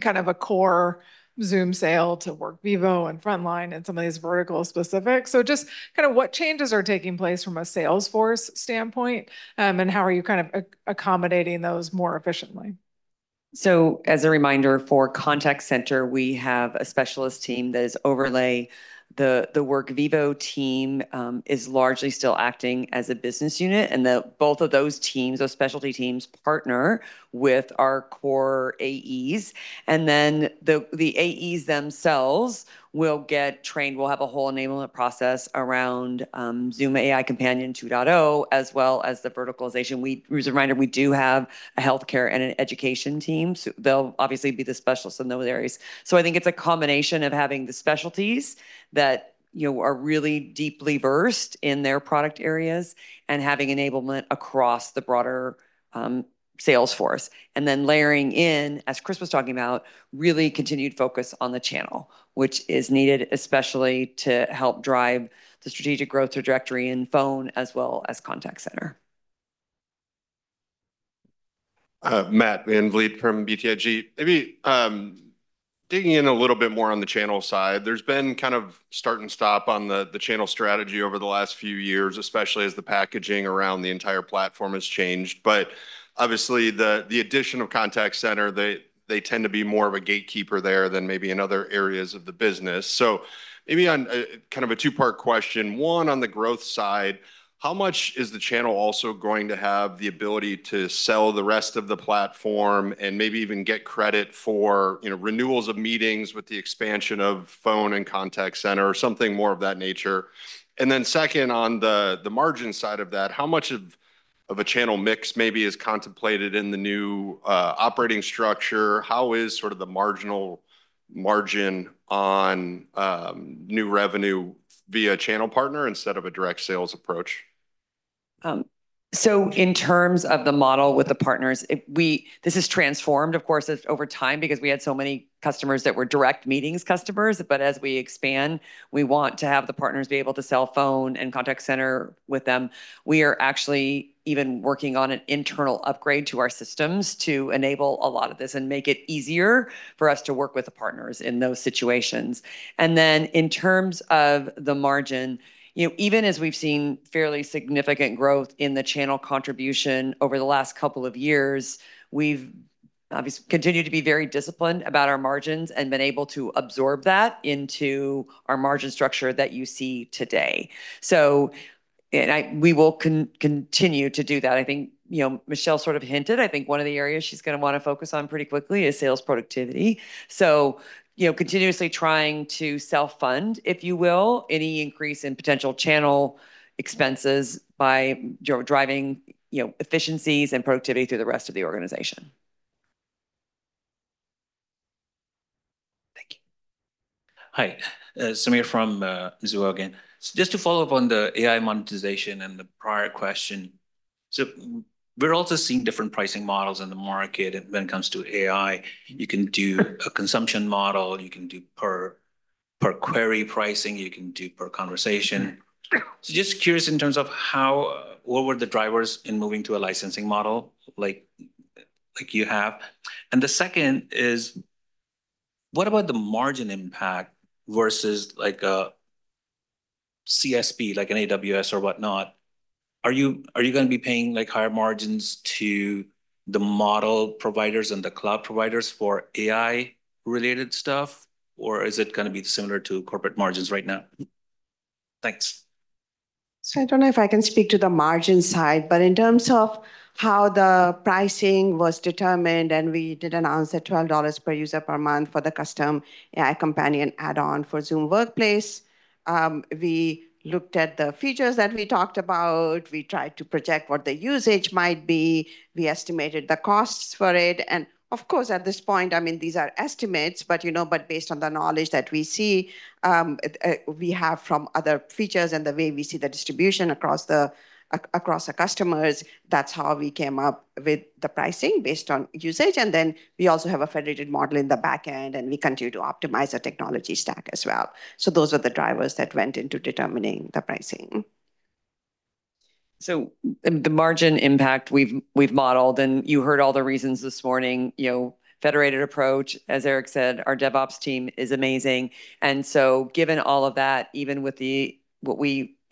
kind of a core Zoom sale to Workvivo and frontline and some of these vertical specifics. So just kind of what changes are taking place from a sales force standpoint and how are you kind of accommodating those more efficiently? So as a reminder, for Contact Center, we have a specialist team that is overlay. The Workvivo team is largely still acting as a business unit. And both of those teams, those specialty teams, partner with our core AEs. And then the AEs themselves will get trained. We'll have a whole enablement process around Zoom AI Companion 2.0 as well as the verticalization. As a reminder, we do have a healthcare and an education team. So they'll obviously be the specialists in those areas. So I think it's a combination of having the specialties that are really deeply versed in their product areas and having enablement across the broader sales force. And then layering in, as Chris was talking about, really continued focus on the channel, which is needed especially to help drive the strategic growth trajectory in Phone as well as Contact Center. Matt VanVliet from BTIG. Maybe digging in a little bit more on the channel side. There's been kind of start and stop on the channel strategy over the last few years, especially as the packaging around the entire platform has changed. But obviously, the addition of Contact Center, they tend to be more of a gatekeeper there than maybe in other areas of the business. So maybe on kind of a two-part question, one on the growth side, how much is the channel also going to have the ability to sell the rest of the platform and maybe even get credit for renewals of meetings with the expansion of Phone and Contact Center or something more of that nature? And then second, on the margin side of that, how much of a channel mix maybe is contemplated in the new operating structure? How is sort of the marginal margin on new revenue via channel partner instead of a direct sales approach? So in terms of the model with the partners, this has transformed, of course, over time because we had so many customers that were direct meetings customers. But as we expand, we want to have the partners be able to sell Phone and Contact Center with them. We are actually even working on an internal upgrade to our systems to enable a lot of this and make it easier for us to work with the partners in those situations. And then in terms of the margin, even as we've seen fairly significant growth in the channel contribution over the last couple of years, we've continued to be very disciplined about our margins and been able to absorb that into our margin structure that you see today. So we will continue to do that. I think Michelle sort of hinted. I think one of the areas she's going to want to focus on pretty quickly is sales productivity. So continuously trying to self-fund, if you will, any increase in potential channel expenses by driving efficiencies and productivity through the rest of the organization. Thank you. Hi, Samad from Jefferies again. So just to follow up on the AI monetization and the prior question. So we're also seeing different pricing models in the market when it comes to AI. You can do a consumption model. You can do per query pricing. You can do per conversation. So just curious in terms of what were the drivers in moving to a licensing model like you have. And the second is, what about the margin impact versus a CSP, like an AWS or whatnot? Are you going to be paying higher margins to the model providers and the cloud providers for AI-related stuff, or is it going to be similar to corporate margins right now? Thanks. I don't know if I can speak to the margin side, but in terms of how the pricing was determined, and we did announce that $12 per user per month for the Custom AI Companion add-on for Zoom Workplace, we looked at the features that we talked about. We tried to project what the usage might be. We estimated the costs for it. And of course, at this point, I mean, these are estimates, but based on the knowledge that we see we have from other features and the way we see the distribution across the customers, that's how we came up with the pricing based on usage. And then we also have a federated model in the backend, and we continue to optimize the technology stack as well. So those are the drivers that went into determining the pricing. So, the margin impact we've modeled, and you heard all the reasons this morning, federated approach, as Eric said. Our DevOps team is amazing. And so, given all of that, even with what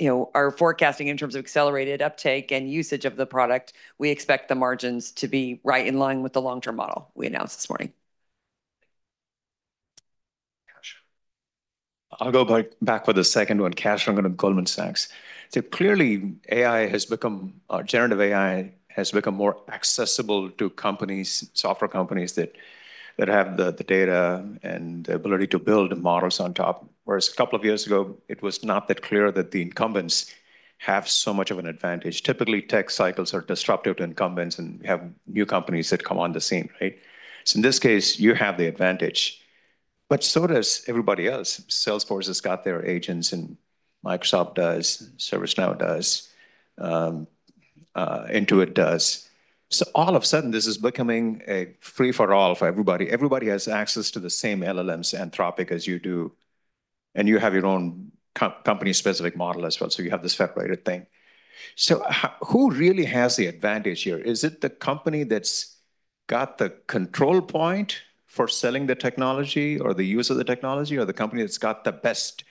we are forecasting in terms of accelerated uptake and usage of the product, we expect the margins to be right in line with the long-term model we announced this morning. I'll go back with a second one. Kash Rangan, Goldman Sachs. So, clearly, AI has become. Generative AI has become more accessible to companies, software companies that have the data and the ability to build models on top. Whereas a couple of years ago, it was not that clear that the incumbents have so much of an advantage. Typically, tech cycles are disruptive to incumbents, and we have new companies that come on the scene, right? So in this case, you have the advantage, but so does everybody else. Salesforce has got their agents, and Microsoft does, ServiceNow does, Intuit does. So all of a sudden, this is becoming a free-for-all for everybody. Everybody has access to the same LLMs and Anthropic as you do. And you have your own company-specific model as well. So you have this federated thing. So who really has the advantage here? Is it the company that's got the control point for selling the technology or the use of the technology or the company that's got the best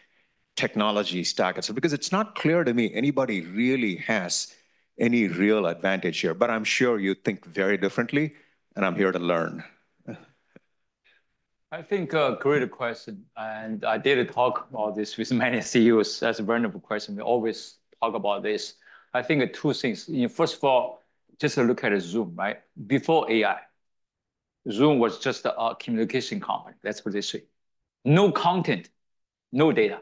technology stack? Because it's not clear to me anybody really has any real advantage here, but I'm sure you think very differently, and I'm here to learn. I think a great question. And I did a talk about this with many CEOs. That's a very wonderful question. We always talk about this. I think two things. First of all, just to look at Zoom, right? Before AI, Zoom was just a communication company. That's what they say. No content, no data.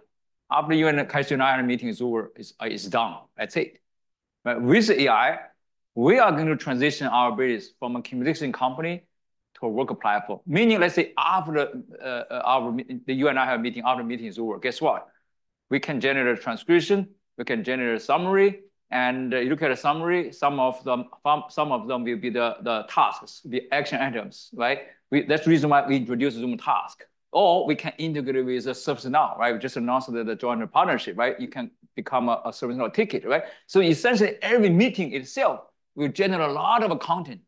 After you and Casey and I had a meeting, Zoom is done. That's it. With AI, we are going to transition our business from a communication company to a work platform. Meaning, let's say after the you and I have a meeting, after meeting Zoom, guess what? We can generate a transcription. We can generate a summary. And you look at a summary, some of them will be the tasks, the action items, right? That's the reason why we introduce Zoom Tasks. Or we can integrate it with a ServiceNow, right? We just announced that the joint partnership, right? You can become a ServiceNow ticket, right? So essentially, every meeting itself will generate a lot of content.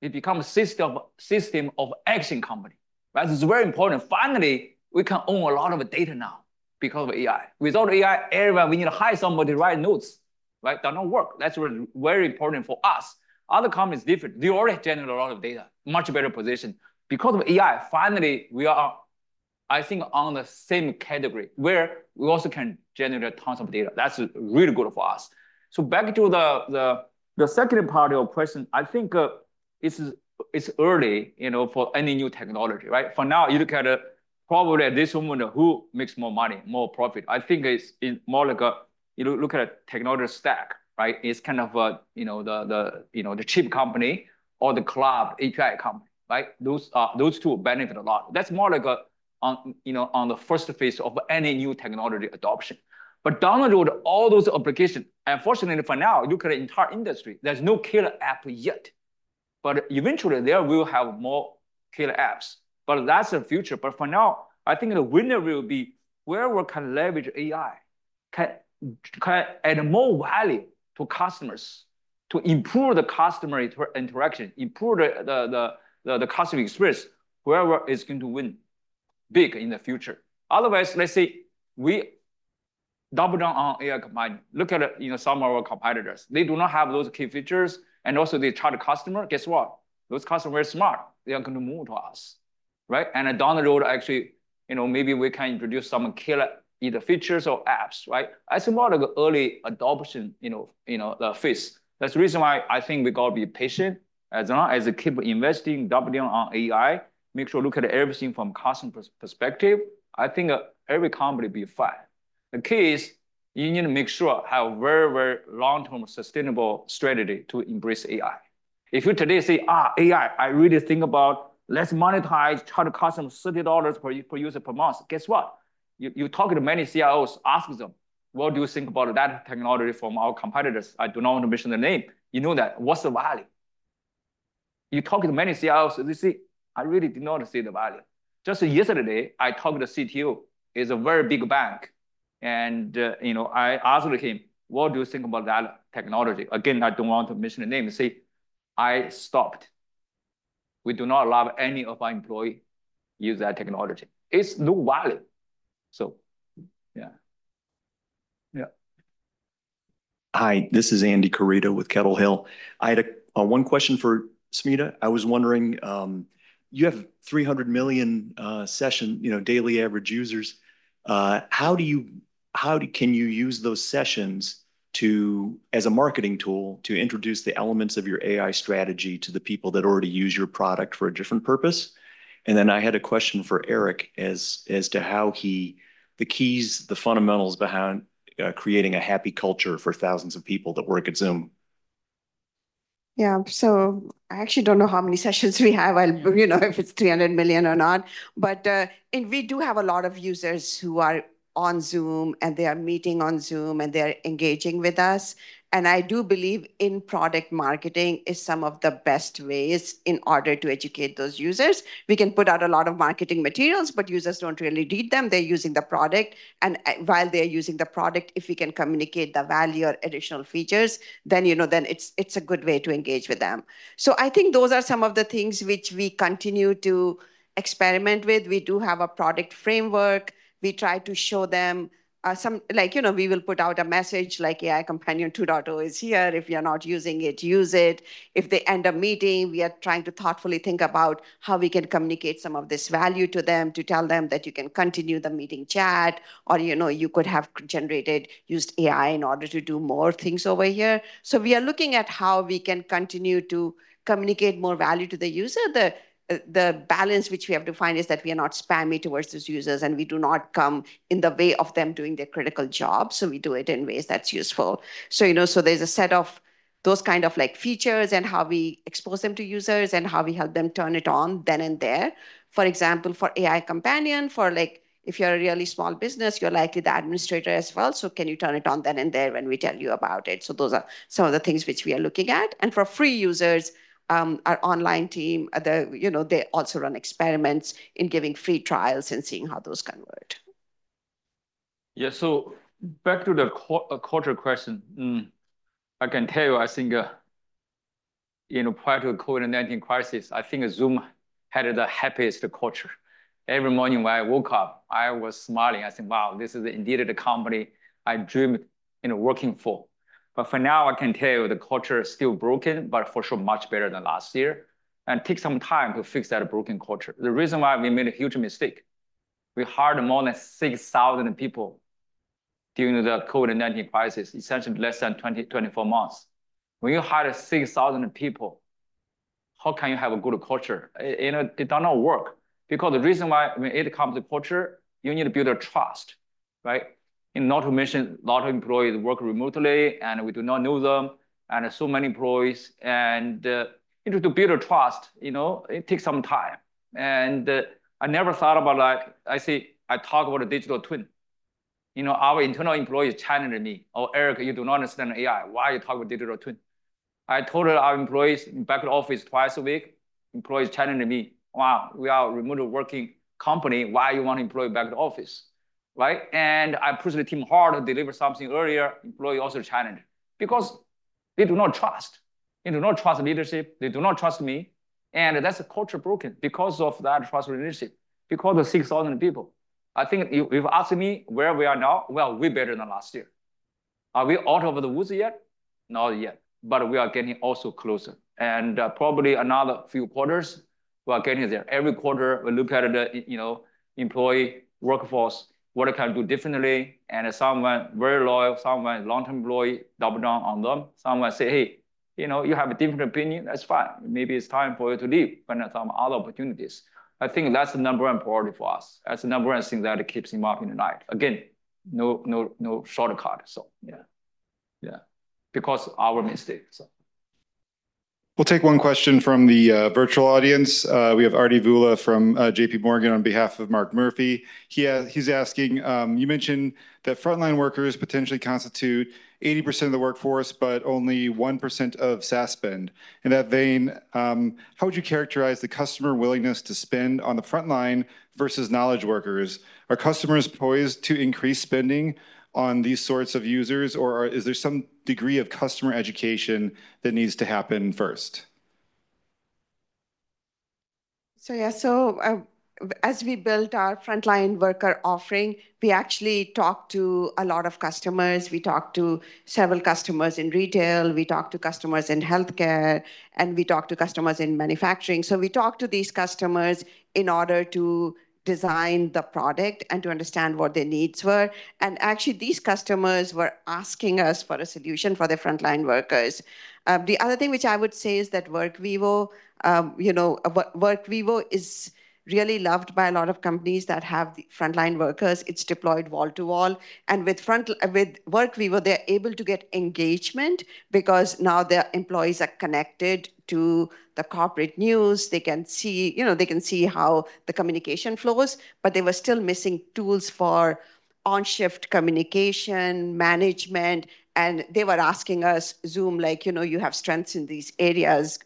It becomes a system of action company, right? It's very important. Finally, we can own a lot of data now because of AI. Without AI, everyone, we need to hire somebody to write notes, right? That don't work. That's very important for us. Other companies are different. They already generate a lot of data, much better position. Because of AI, finally, we are, I think, on the same category where we also can generate tons of data. That's really good for us. So back to the second part of your question, I think it's early for any new technology, right? For now, you look at probably at this one who makes more money, more profit. I think it's more like a, you look at a technology stack, right? It's kind of the chip company or the cloud API company, right? Those two benefit a lot. That's more like on the first phase of any new technology adoption. But download all those applications. Unfortunately, for now, look at the entire industry. There's no killer app yet. But eventually, there will have more killer apps. But that's the future. But for now, I think the winner will be wherever can leverage AI, add more value to customers, to improve the customer interaction, improve the customer experience, whoever is going to win big in the future. Otherwise, let's say we double down on AI company, look at some of our competitors. They do not have those key features. And also, they charge a customer. Guess what? Those customers are smart. They are going to move to us, right? And download actually, maybe we can introduce some killer either features or apps, right? It's more like an early adoption phase. That's the reason why I think we got to be patient as long as we keep investing, double down on AI, make sure to look at everything from a customer perspective. I think every company will be fine. The key is you need to make sure to have a very, very long-term sustainable strategy to embrace AI. If you today say, AI, I really think about let's monetize, charge a customer $30 per user per month. Guess what? You talk to many CIOs, ask them, "What do you think about that technology from our competitors?" I do not want to mention the name. You know that. What's the value? You talk to many CIOs, they say, "I really do not see the value." Just yesterday, I talked to the CTO. He's a very big bank. I asked him, "What do you think about that technology?" Again, I don't want to mention the name. See, I stopped. We do not allow any of our employees to use that technology. It's no value. So yeah. Yeah. Hi, this is Andy Kurita with Kettle Hill Capital. I had one question for Smith. I was wondering, you have 300 million sessions, daily average users. How can you use those sessions as a marketing tool to introduce the elements of your AI strategy to the people that already use your product for a different purpose? And then I had a question for Eric as to how he, the keys, the fundamentals behind creating a happy culture for thousands of people that work at Zoom. Yeah, so I actually don't know how many sessions we have, if it's 300 million or not. But we do have a lot of users who are on Zoom, and they are meeting on Zoom, and they are engaging with us. And I do believe in product marketing is some of the best ways in order to educate those users. We can put out a lot of marketing materials, but users don't really read them. They're using the product. And while they're using the product, if we can communicate the value or additional features, then it's a good way to engage with them. So I think those are some of the things which we continue to experiment with. We do have a product framework. We try to show them some we will put out a message like AI Companion 2.0 is here. If you're not using it, use it. If they end a meeting, we are trying to thoughtfully think about how we can communicate some of this value to them to tell them that you can continue the meeting chat, or you could have generated, used AI in order to do more things over here. So we are looking at how we can continue to communicate more value to the user. The balance which we have to find is that we are not spammy towards those users, and we do not come in the way of them doing their critical job. So we do it in ways that's useful. So there's a set of those kind of features and how we expose them to users and how we help them turn it on then and there. For example, for AI Companion, for if you're a really small business, you're likely the administrator as well. So can you turn it on then and there when we tell you about it? So those are some of the things which we are looking at. And for free users, our online team, they also run experiments in giving free trials and seeing how those convert. Yeah, so back to the culture question. I can tell you, I think prior to the COVID-19 crisis, I think Zoom had the happiest culture. Every morning when I woke up, I was smiling. I said, "Wow, this is indeed the company I dreamed working for." But for now, I can tell you the culture is still broken, but for sure, much better than last year. And it takes some time to fix that broken culture. The reason why we made a huge mistake, we hired more than 6,000 people during the COVID-19 crisis, essentially less than 24 months. When you hire 6,000 people, how can you have a good culture? It does not work. Because the reason why when it comes to culture, you need to build a trust, right? Not to mention a lot of employees work remotely, and we do not know them, and so many employees, and to build a trust, it takes some time, and I never thought about, I say, I talk about a digital twin. Our internal employees challenged me. "Oh, Eric, you do not understand AI. Why are you talking about digital twin?" I told our employees back in the office twice a week. Employees challenged me. "Wow, we are a remotely working company. Why do you want to employ back in the office?" Right? And I pushed the team hard to deliver something earlier, employees also challenged because they do not trust. They do not trust leadership. They do not trust me. And that's a culture broken because of that trust relationship, because of 6,000 people. I think if you ask me where we are now, we are way better than last year. Are we out of the woods yet? Not yet. But we are getting also closer. And probably another few quarters, we are getting there. Every quarter, we look at the employee workforce, what can do differently. And someone very loyal, someone long-term employee, double down on them. Someone say, "Hey, you have a different opinion. That's fine. Maybe it's time for you to leave." Find some other opportunities. I think that's the number one priority for us. That's the number one thing that keeps him up in the night. Again, no shortcut. So yeah. Yeah. Because of our mistakes. We'll take one question from the virtual audience. We have Arti Vula from J.P. Morgan on behalf of Mark Murphy. He's asking, "You mentioned that frontline workers potentially constitute 80% of the workforce, but only 1% of SaaS spend. In that vein, how would you characterize the customer willingness to spend on the frontline versus knowledge workers? Are customers poised to increase spending on these sorts of users, or is there some degree of customer education that needs to happen first?" So yeah, so as we built our frontline worker offering, we actually talked to a lot of customers. We talked to several customers in retail. We talked to customers in healthcare, and we talked to customers in manufacturing. So we talked to these customers in order to design the product and to understand what their needs were. And actually, these customers were asking us for a solution for their frontline workers. The other thing which I would say is that Workvivo is really loved by a lot of companies that have frontline workers. It's deployed wall to wall. And with Workvivo, they're able to get engagement because now their employees are connected to the corporate news. They can see how the communication flows. But they were still missing tools for on-shift communication management. And they were asking us, Zoom, like, "You have strengths in these areas.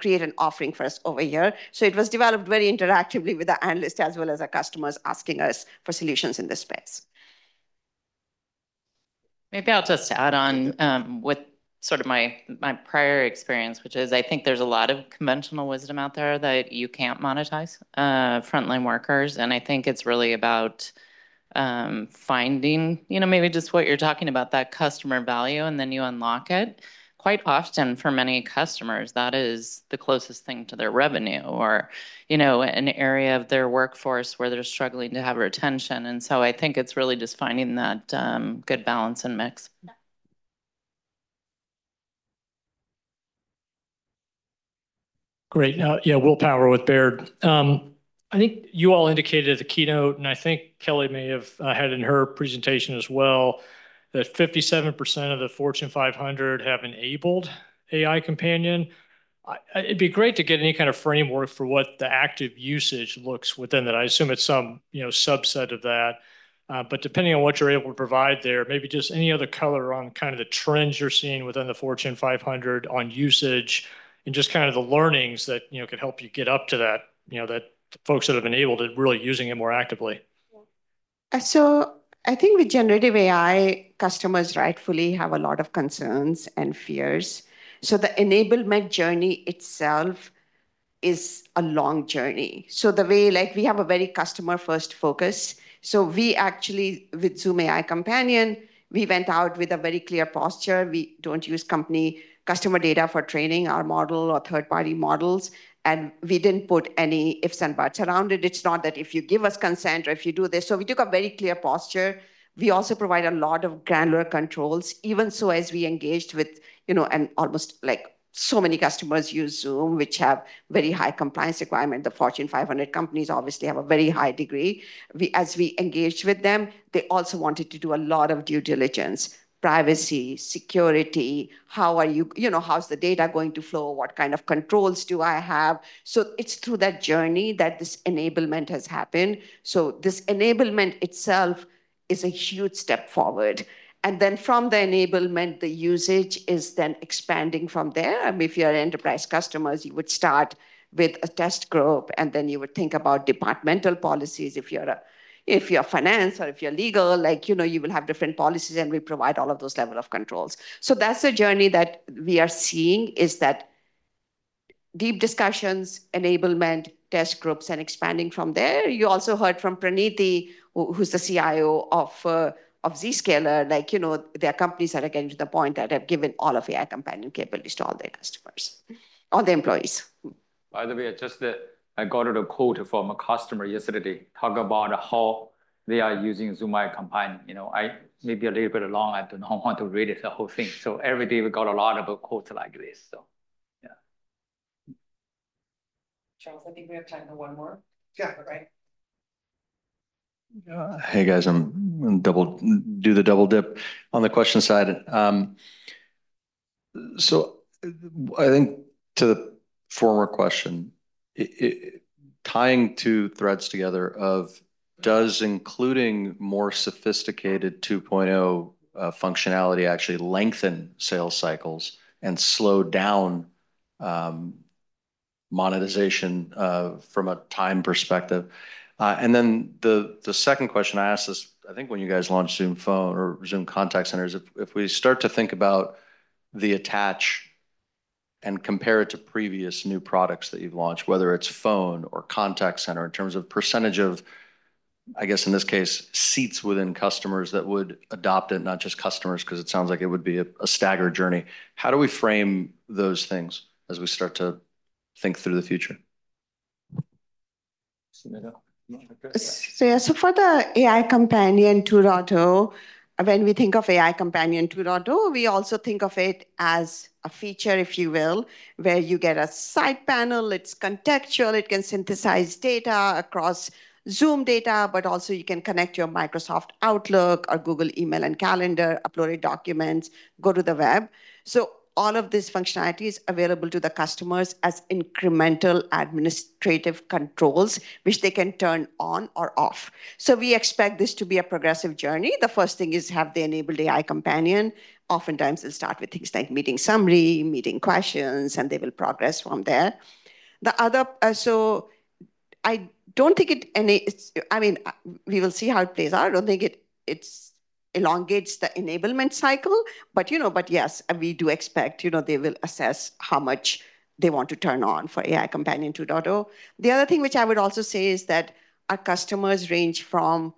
Create an offering for us over here." So it was developed very interactively with our analysts as well as our customers asking us for solutions in this space. Maybe I'll just add on with sort of my prior experience, which is I think there's a lot of conventional wisdom out there that you can't monetize frontline workers. And I think it's really about finding maybe just what you're talking about, that customer value, and then you unlock it. Quite often, for many customers, that is the closest thing to their revenue or an area of their workforce where they're struggling to have retention. And so I think it's really just finding that good balance and mix. Great. Yeah, Will Power with Baird. I think you all indicated at the keynote, and I think Kelly may have had in her presentation as well, that 57% of the Fortune 500 have enabled AI Companion. It'd be great to get any kind of framework for what the active usage looks within that. I assume it's some subset of that. But depending on what you're able to provide there, maybe just any other color on kind of the trends you're seeing within the Fortune 500 on usage and just kind of the learnings that could help you get up to that, that folks that have enabled it really using it more actively. So I think with generative AI, customers rightfully have a lot of concerns and fears. So the enablement journey itself is a long journey. So the way we have a very customer-first focus. So we actually, with Zoom AI Companion, we went out with a very clear posture. We don't use company customer data for training our model or third-party models. And we didn't put any ifs and buts around it. It's not that if you give us consent or if you do this. So we took a very clear posture. We also provide a lot of granular controls. Even so, as we engaged with them, and almost so many customers use Zoom, which have very high compliance requirements. The Fortune 500 companies obviously have a very high degree. As we engaged with them, they also wanted to do a lot of due diligence, privacy, security. How are you? How's the data going to flow? What kind of controls do I have? So it's through that journey that this enablement has happened. So this enablement itself is a huge step forward, and then from the enablement, the usage is then expanding from there. If you're enterprise customers, you would start with a test group, and then you would think about departmental policies. If you're finance or if you're legal, you will have different policies, and we provide all of those levels of controls. So that's the journey that we are seeing is that deep discussions, enablement, test groups, and expanding from there. You also heard from Praniti, who's the CIO of Zscaler. Their companies are getting to the point that they've given all of AI Companion capabilities to all their customers, all the employees. By the way, just that I got a quote from a customer yesterday talking about how they are using Zoom AI Companion. Maybe a little bit long. I don't want to read it, the whole thing. So every day we got a lot of quotes like this. So yeah. Charles, I think we have time for one more. Yeah. Right. Hey, guys. I'm double do the double dip on the question side. So I think to the former question, tying two threads together of does including more sophisticated 2.0 functionality actually lengthen sales cycles and slow down monetization from a time perspective? And then the second question I asked this, I think when you guys launched Zoom Phone or Zoom Contact Centers, if we start to think about the attach and compare it to previous new products that you've launched, whether it's Phone or Contact Center in terms of percentage of, I guess, in this case, seats within customers that would adopt it, not just customers, because it sounds like it would be a staggered journey. How do we frame those things as we start to think through the future? So yeah, so for the AI Companion 2.0, when we think of AI Companion 2.0, we also think of it as a feature, if you will, where you get a side panel. It's contextual. It can synthesize data across Zoom data, but also you can connect your Microsoft Outlook or Google email and calendar, upload documents, go to the web. So all of this functionality is available to the customers as incremental administrative controls, which they can turn on or off. So we expect this to be a progressive journey. The first thing is, have they enabled AI Companion? Oftentimes, they'll start with things like meeting summary, meeting questions, and they will progress from there. So I don't think it, I mean, we will see how it plays out. I don't think it elongates the enablement cycle. But yes, we do expect they will assess how much they want to turn on for AI Companion 2.0. The other thing which I would also say is that our customers range from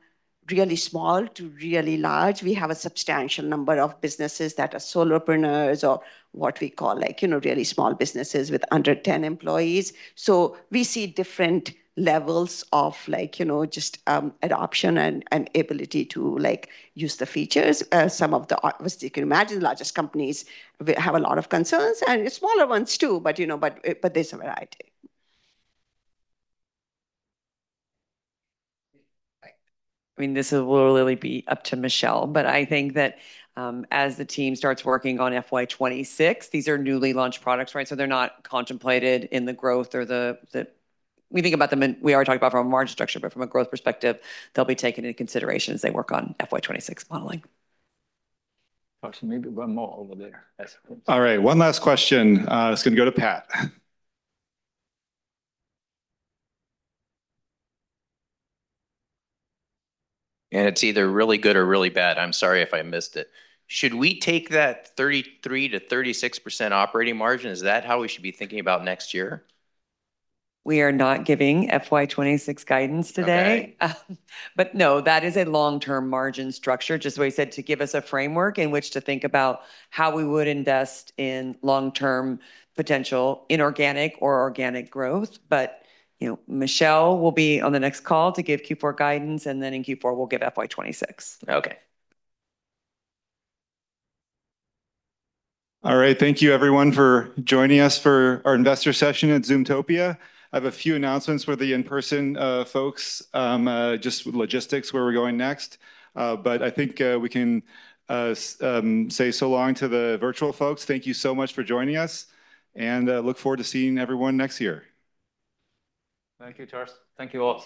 really small to really large. We have a substantial number of businesses that are solopreneurs or what we call really small businesses with under 10 employees. So we see different levels of just adoption and ability to use the features. Some of the, as you can imagine, the largest companies have a lot of concerns, and smaller ones too, but there's a variety. I mean, this will really be up to Michelle, but I think that as the team starts working on FY26, these are newly launched products, right? So they're not contemplated in the growth or the, we think about them, and we are talking about from a margin structure, but from a growth perspective, they'll be taken into consideration as they work on FY26 modeling. Maybe one more over there. All right. One last question. It's going to go to Pat, and it's either really good or really bad. I'm sorry if I missed it. Should we take that 33%-36% operating margin? Is that how we should be thinking about next year? We are not giving FY26 guidance today. But no, that is a long-term margin structure, just the way you said, to give us a framework in which to think about how we would invest in long-term potential in inorganic or organic growth. But Michelle will be on the next call to give Q4 guidance, and then in Q4, we'll give FY26. Okay. All right. Thank you, everyone, for joining us for our investor session at Zoomtopia. I have a few announcements for the in-person folks, just logistics where we're going next. But I think we can say so long to the virtual folks. Thank you so much for joining us, and look forward to seeing everyone next year. Thank you, Charles. Thank you both.